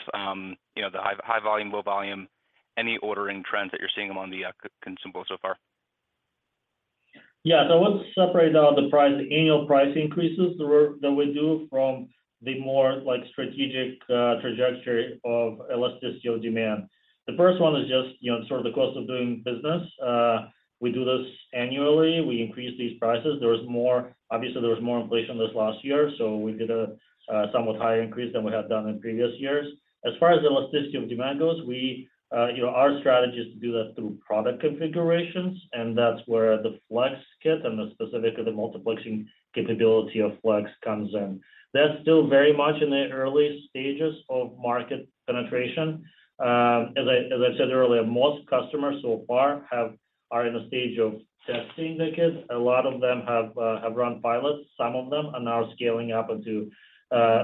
You know, the high volume, low volume, any ordering trends that you're seeing among the consumables so far? Yeah. Let's separate out the price, the annual price increases that we're, that we do from the more like strategic trajectory of elasticity of demand. The first one is just, you know, sort of the cost of doing business. We do this annually. We increase these prices. Obviously, there was more inflation this last year, so we did a somewhat higher increase than we have done in previous years. As far as elasticity of demand goes, we, you know, our strategy is to do that through product configurations, and that's where the Flex kit and the specific, the multiplexing capability of Flex comes in. That's still very much in the early stages of market penetration. As I, as I said earlier, most customers so far are in a stage of testing the kit. A lot of them have run pilots. Some of them are now scaling up into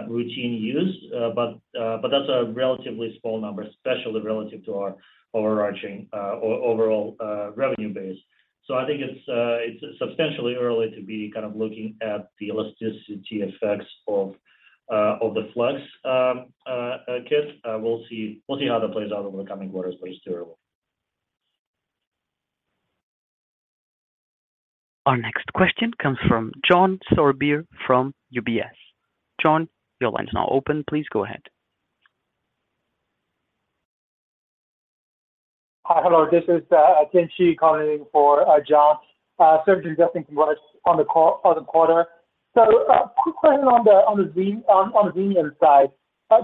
routine use. That's a relatively small number, especially relative to our overarching or overall revenue base. I think it's substantially early to be kind of looking at the elasticity effects of the Flex kit. We'll see how that plays out over the coming quarters, but it's too early. Our next question comes from John Sourbeer from UBS. John, your line's now open. Please go ahead. Hi. Hello, this is Ken Shi calling in for John. Serge, just a few words on the quarter. Quick question on the Xenium, on the Xenium side.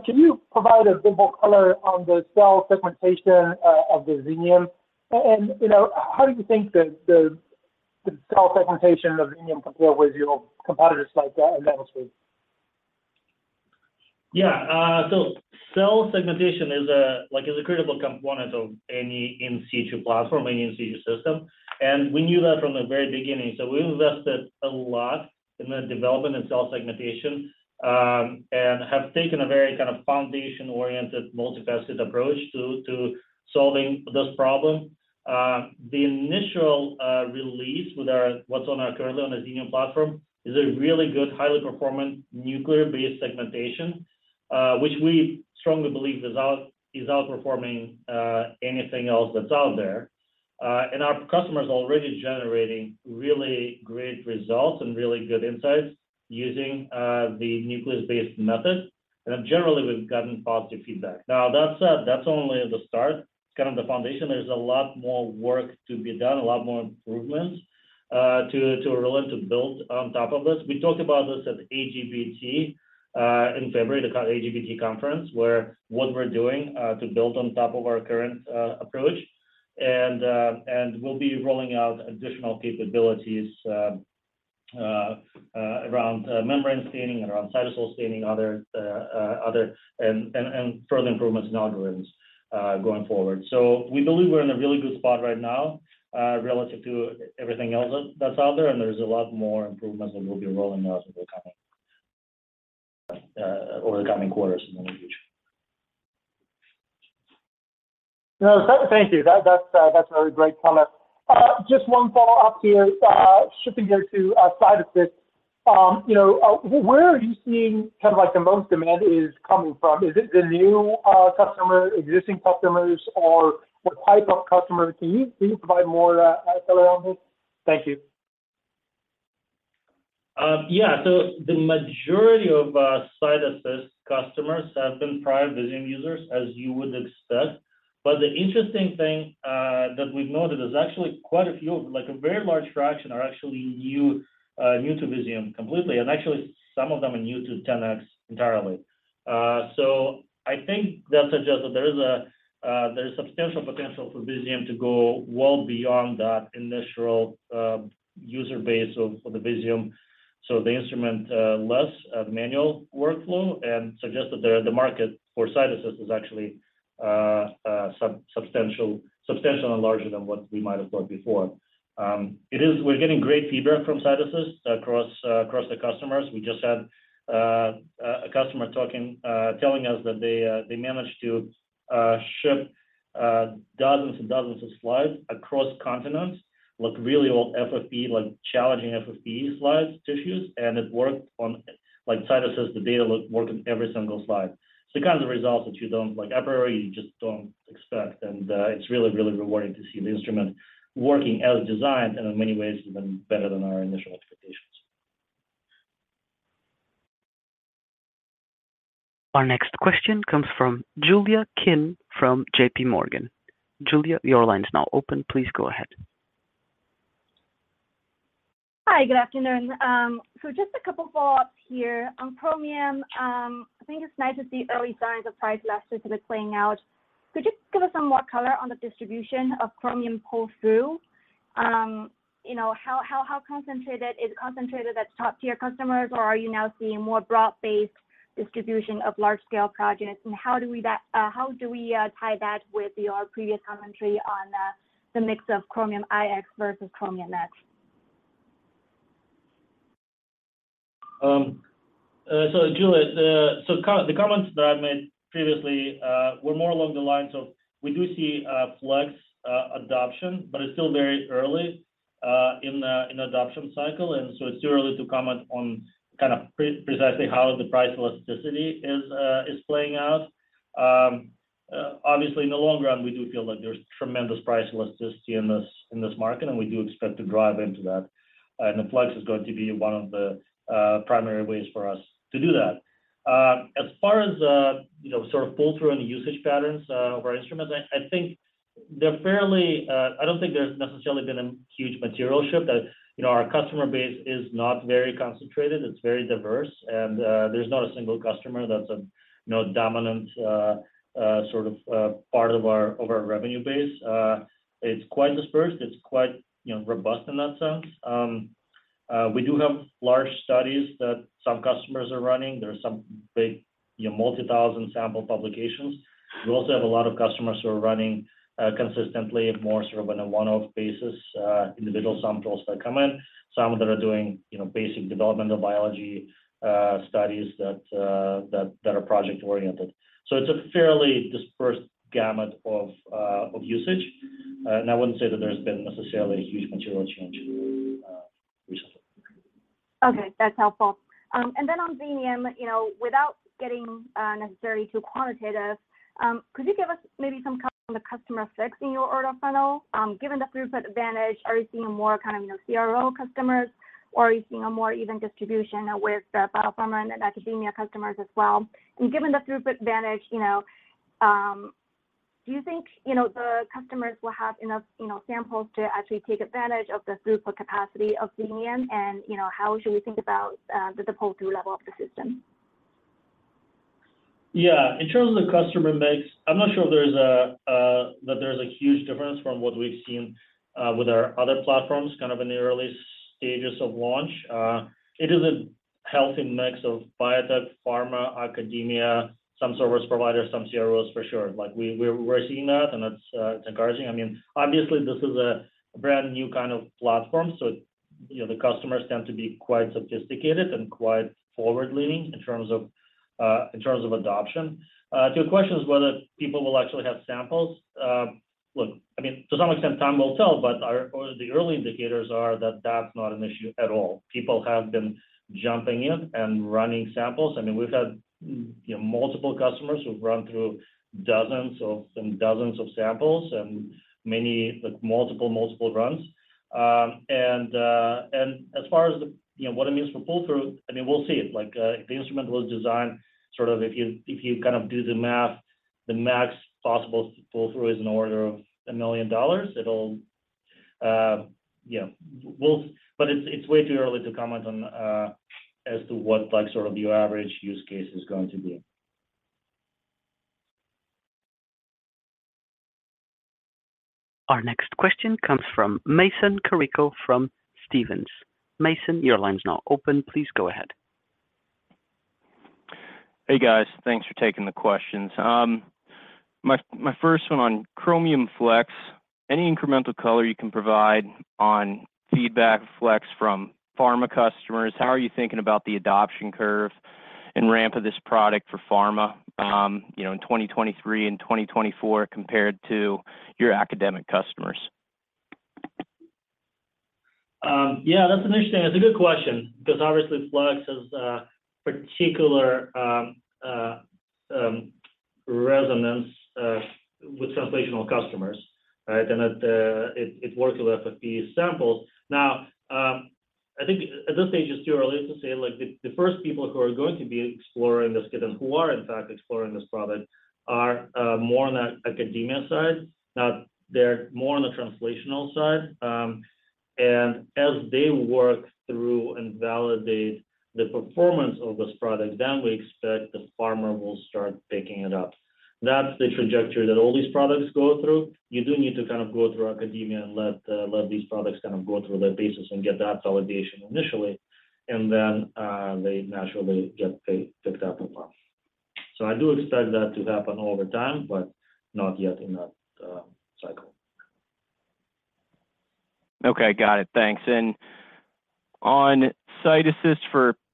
Can you provide a bit more color on the cell segmentation of the Xenium? You know, how do you think the cell segmentation of Xenium compare with your competitors like Illumina? Yeah. Cell segmentation is a like is a critical component of any in situ platform, any in situ system. We knew that from the very beginning. We invested a lot in the development of cell segmentation, and have taken a very kind of foundation-oriented, multifaceted approach to solving this problem. The initial release with our, what's on our currently on the Xenium platform is a really good, highly performant nuclear-based segmentation, which we strongly believe is outperforming anything else that's out there. Our customers are already generating really great results and really good insights using the nucleus-based method. Generally, we've gotten positive feedback. Now, that said, that's only the start. It's kind of the foundation. There's a lot more work to be done, a lot more improvements, to really to build on top of this. We talked about this at AGBT in February, the AGBT conference, where what we're doing to build on top of our current approach. We'll be rolling out additional capabilities around membrane staining and around cytosol staining, other and further improvements in algorithms going forward. We believe we're in a really good spot right now, relative to everything else that's out there, and there's a lot more improvements that we'll be rolling out over the coming over the coming quarters in the near future. No, thank you. That's a very great comment. Just one follow-up here. Shifting here to CytAssist. You know, where are you seeing kind of like the most demand is coming from? Is it the new customer, existing customers, or what type of customer? Can you provide more color on this? Thank you. Yeah. The majority of CytAssist customers have been prior Visium users, as you would expect. The interesting thing that we've noted is actually quite a few, like a very large fraction are actually new to Visium completely. Actually, some of them are new to 10x entirely. I think that suggests that there is substantial potential for Visium to go well beyond that initial user base of the Visium. The instrument, less of manual workflow and suggests that the market for CytAssist is actually substantially larger than what we might have thought before. We're getting great feedback from CytAssist across the customers. We just had a customer telling us that they managed to ship dozens and dozens of slides across continents. Really all FFPE, like challenging FFPE slides, tissues, and it worked on. Like CytAssist, the data looked more than every single slide. The kind of results that you don't like a priori, you just don't expect and it's really, really rewarding to see the instrument working as designed, and in many ways even better than our initial expectations. Our next question comes from Julia Qin from JPMorgan. Julia, your line is now open. Please go ahead. Hi. Good afternoon. Just a couple follow-ups here. On Chromium, I think it's nice to see early signs of price elasticity playing out. Could you just give us some more color on the distribution of Chromium pull-through? You know, how concentrated? Is it concentrated at top-tier customers, or are you now seeing more broad-based distribution of large scale projects? How do we tie that with your previous commentary on the mix of Chromium iX versus Chromium X? Julia, the comments that I made previously were more along the lines of we do see Flex adoption, but it's still very early in the adoption cycle, and so it's too early to comment on kind of precisely how the price elasticity is playing out. Obviously, in the long run, we do feel like there's tremendous price elasticity in this, in this market, and we do expect to drive into that. The Flex is going to be one of the primary ways for us to do that. As far as, you know, sort of pull-through and the usage patterns of our instruments, I think they're fairly. I don't think there's necessarily been a huge material shift that. You know, our customer base is not very concentrated. It's very diverse. There's not a single customer that's a, you know, dominant sort of part of our, of our revenue base. It's quite dispersed. It's quite, you know, robust in that sense. We do have large studies that some customers are running. There are some big, you know, multi-thousand sample publications. We also have a lot of customers who are running consistently more sort of on a one-off basis, individual samples that come in. Some of them are doing, you know, basic development of biology, studies that are project-oriented. It's a fairly dispersed gamut of usage. I wouldn't say that there's been necessarily a huge material change recently. Okay. That's helpful. Then on Xenium, you know, without getting necessarily too quantitative, could you give us maybe some color on the customer mix in your order funnel? Given the throughput advantage, are you seeing more kind of, you know, CRO customers, or are you seeing a more even distribution with the biopharma and academia customers as well? Given the throughput advantage, you know, do you think, you know, the customers will have enough, you know, samples to actually take advantage of the throughput capacity of Xenium and, you know, how should we think about the pull-through level of the system? Yeah. In terms of the customer mix, I'm not sure there's a that there's a huge difference from what we've seen with our other platforms, kind of in the early stages of launch. It is a healthy mix of biotech, pharma, academia, some service providers, some CROs for sure. Like, we're seeing that, and that's, it's encouraging. I mean, obviously this is a brand new kind of platform, so, you know, the customers tend to be quite sophisticated and quite forward-leaning in terms of in terms of adoption. To your questions whether people will actually have samples, look, I mean, to some extent time will tell, but or the early indicators are that that's not an issue at all. People have been jumping in and running samples. I mean, we've had, you know, multiple customers who've run through dozens of and dozens of samples and many, like multiple runs. As far as the, you know, what it means for pull-through, I mean, we'll see. Like, the instrument was designed, sort of if you, if you kind of do the math, the max possible pull-through is an order of $1 million. It'll, yeah. It's way too early to comment on as to what like sort of your average use case is going to be. Our next question comes from Mason Carrico from Stephens. Mason, your line's now open. Please go ahead. Hey, guys. Thanks for taking the questions. My first one on Chromium Flex, any incremental color you can provide on feedback Flex from pharma customers? How are you thinking about the adoption curve and ramp of this product for pharma, you know, in 2023 and 2024 compared to your academic customers? Yeah, that's a good question because obviously Flex has a particular resonance with translational customers, right? It works with FFPE samples. I think at this stage it's too early to say. Like, the first people who are going to be exploring this, and who are in fact exploring this product are more on the academia side. They're more on the translational side. As they work through and validate the performance of this product, we expect the pharma will start picking it up. That's the trajectory that all these products go through. You do need to kind of go through academia and let these products kind of go through their paces and get that validation initially, they naturally get picked up in pharma. I do expect that to happen over time, but not yet in that cycle. Okay, got it. Thanks. On Visium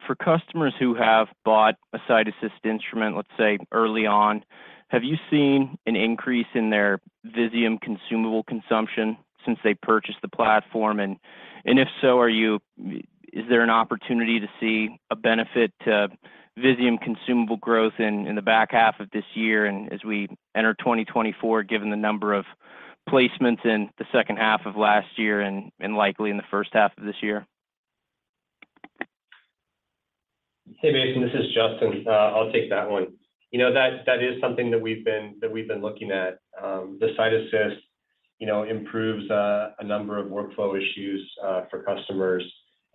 for customers who have bought a Visium instrument, let's say early on, have you seen an increase in their Visium consumable consumption since they purchased the platform? If so, is there an opportunity to see a benefit to Visium consumable growth in the back half of this year and as we enter 2024, given the number of placements in the second half of last year and likely in the first half of this year? Hey, Mason, this is Justin. I'll take that one. You know, that is something that we've been looking at. The Visium, you know, improves a number of workflow issues for customers.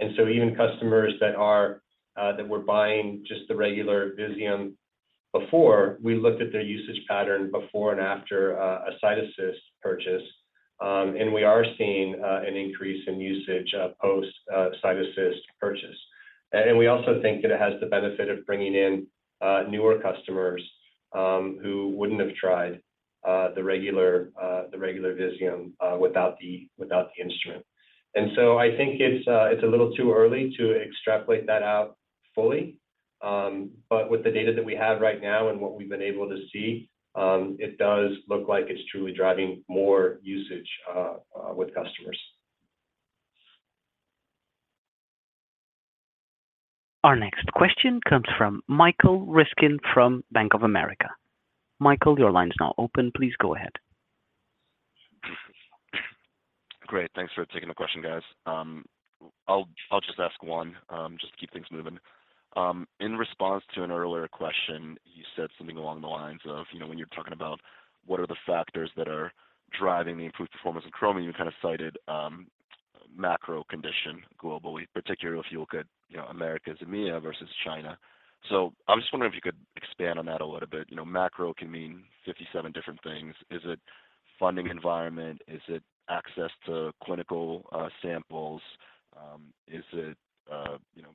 Even customers that are, that were buying just the regular Visium before, we looked at their usage pattern before and after a Visium purchase. We are seeing an increase in usage post Visium purchase. We also think that it has the benefit of bringing in newer customers who wouldn't have tried the regular Visium without the, without the instrument. I think it's a little too early to extrapolate that out fully. With the data that we have right now and what we've been able to see, it does look like it's truly driving more usage with customers. Our next question comes from Michael Ryskin from Bank of America. Michael, your line is now open. Please go ahead. Great. Thanks for taking the question, guys. I'll just ask one just to keep things moving. In response to an earlier question, you said something along the lines of, you know, when you're talking about what are the factors that are driving the improved performance in Chromium, you kind of cited macro condition globally, particularly if you look at, you know, Americas, EMEA versus China. I'm just wondering if you could expand on that a little bit. You know, macro can mean 57 different things. Is it funding environment? Is it access to clinical samples? Is it, you know...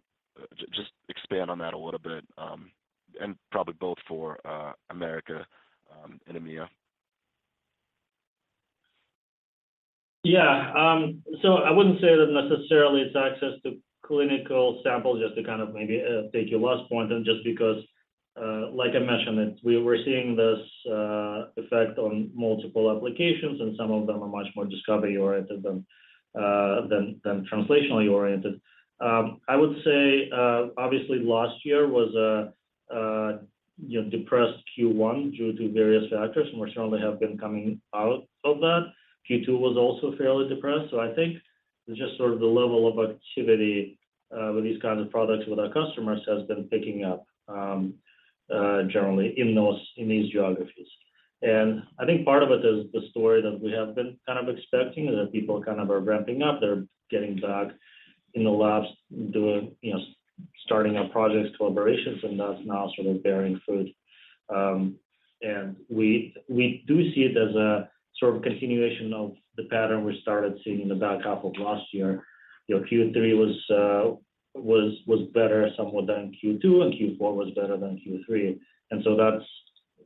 Just expand on that a little bit, and probably both for America, and EMEA. Yeah, I wouldn't say that necessarily it's access to clinical samples just to kind of maybe take your last point and just because like I mentioned that we were seeing this effect on multiple applications and some of them are much more discovery-oriented than translationally oriented. I would say, obviously last year was, you know, depressed Q1 due to various factors, and we certainly have been coming out of that. Q2 was also fairly depressed. I think just sort of the level of activity with these kind of products with our customers has been picking up generally in these geographies. I think part of it is the story that we have been kind of expecting is that people kind of are ramping up. They're getting back in the labs, doing, you know, starting up projects, collaborations, and that's now sort of bearing fruit. We do see it as a sort of continuation of the pattern we started seeing in the back half of last year. You know, Q3 was better somewhat than Q2, and Q4 was better than Q3.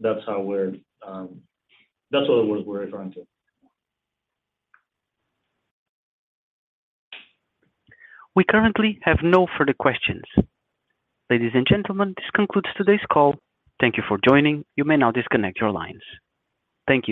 That's how we're, that's what we're referring to. We currently have no further questions. Ladies and gentlemen, this concludes today's call. Thank you for joining. You may now disconnect your lines. Thank you.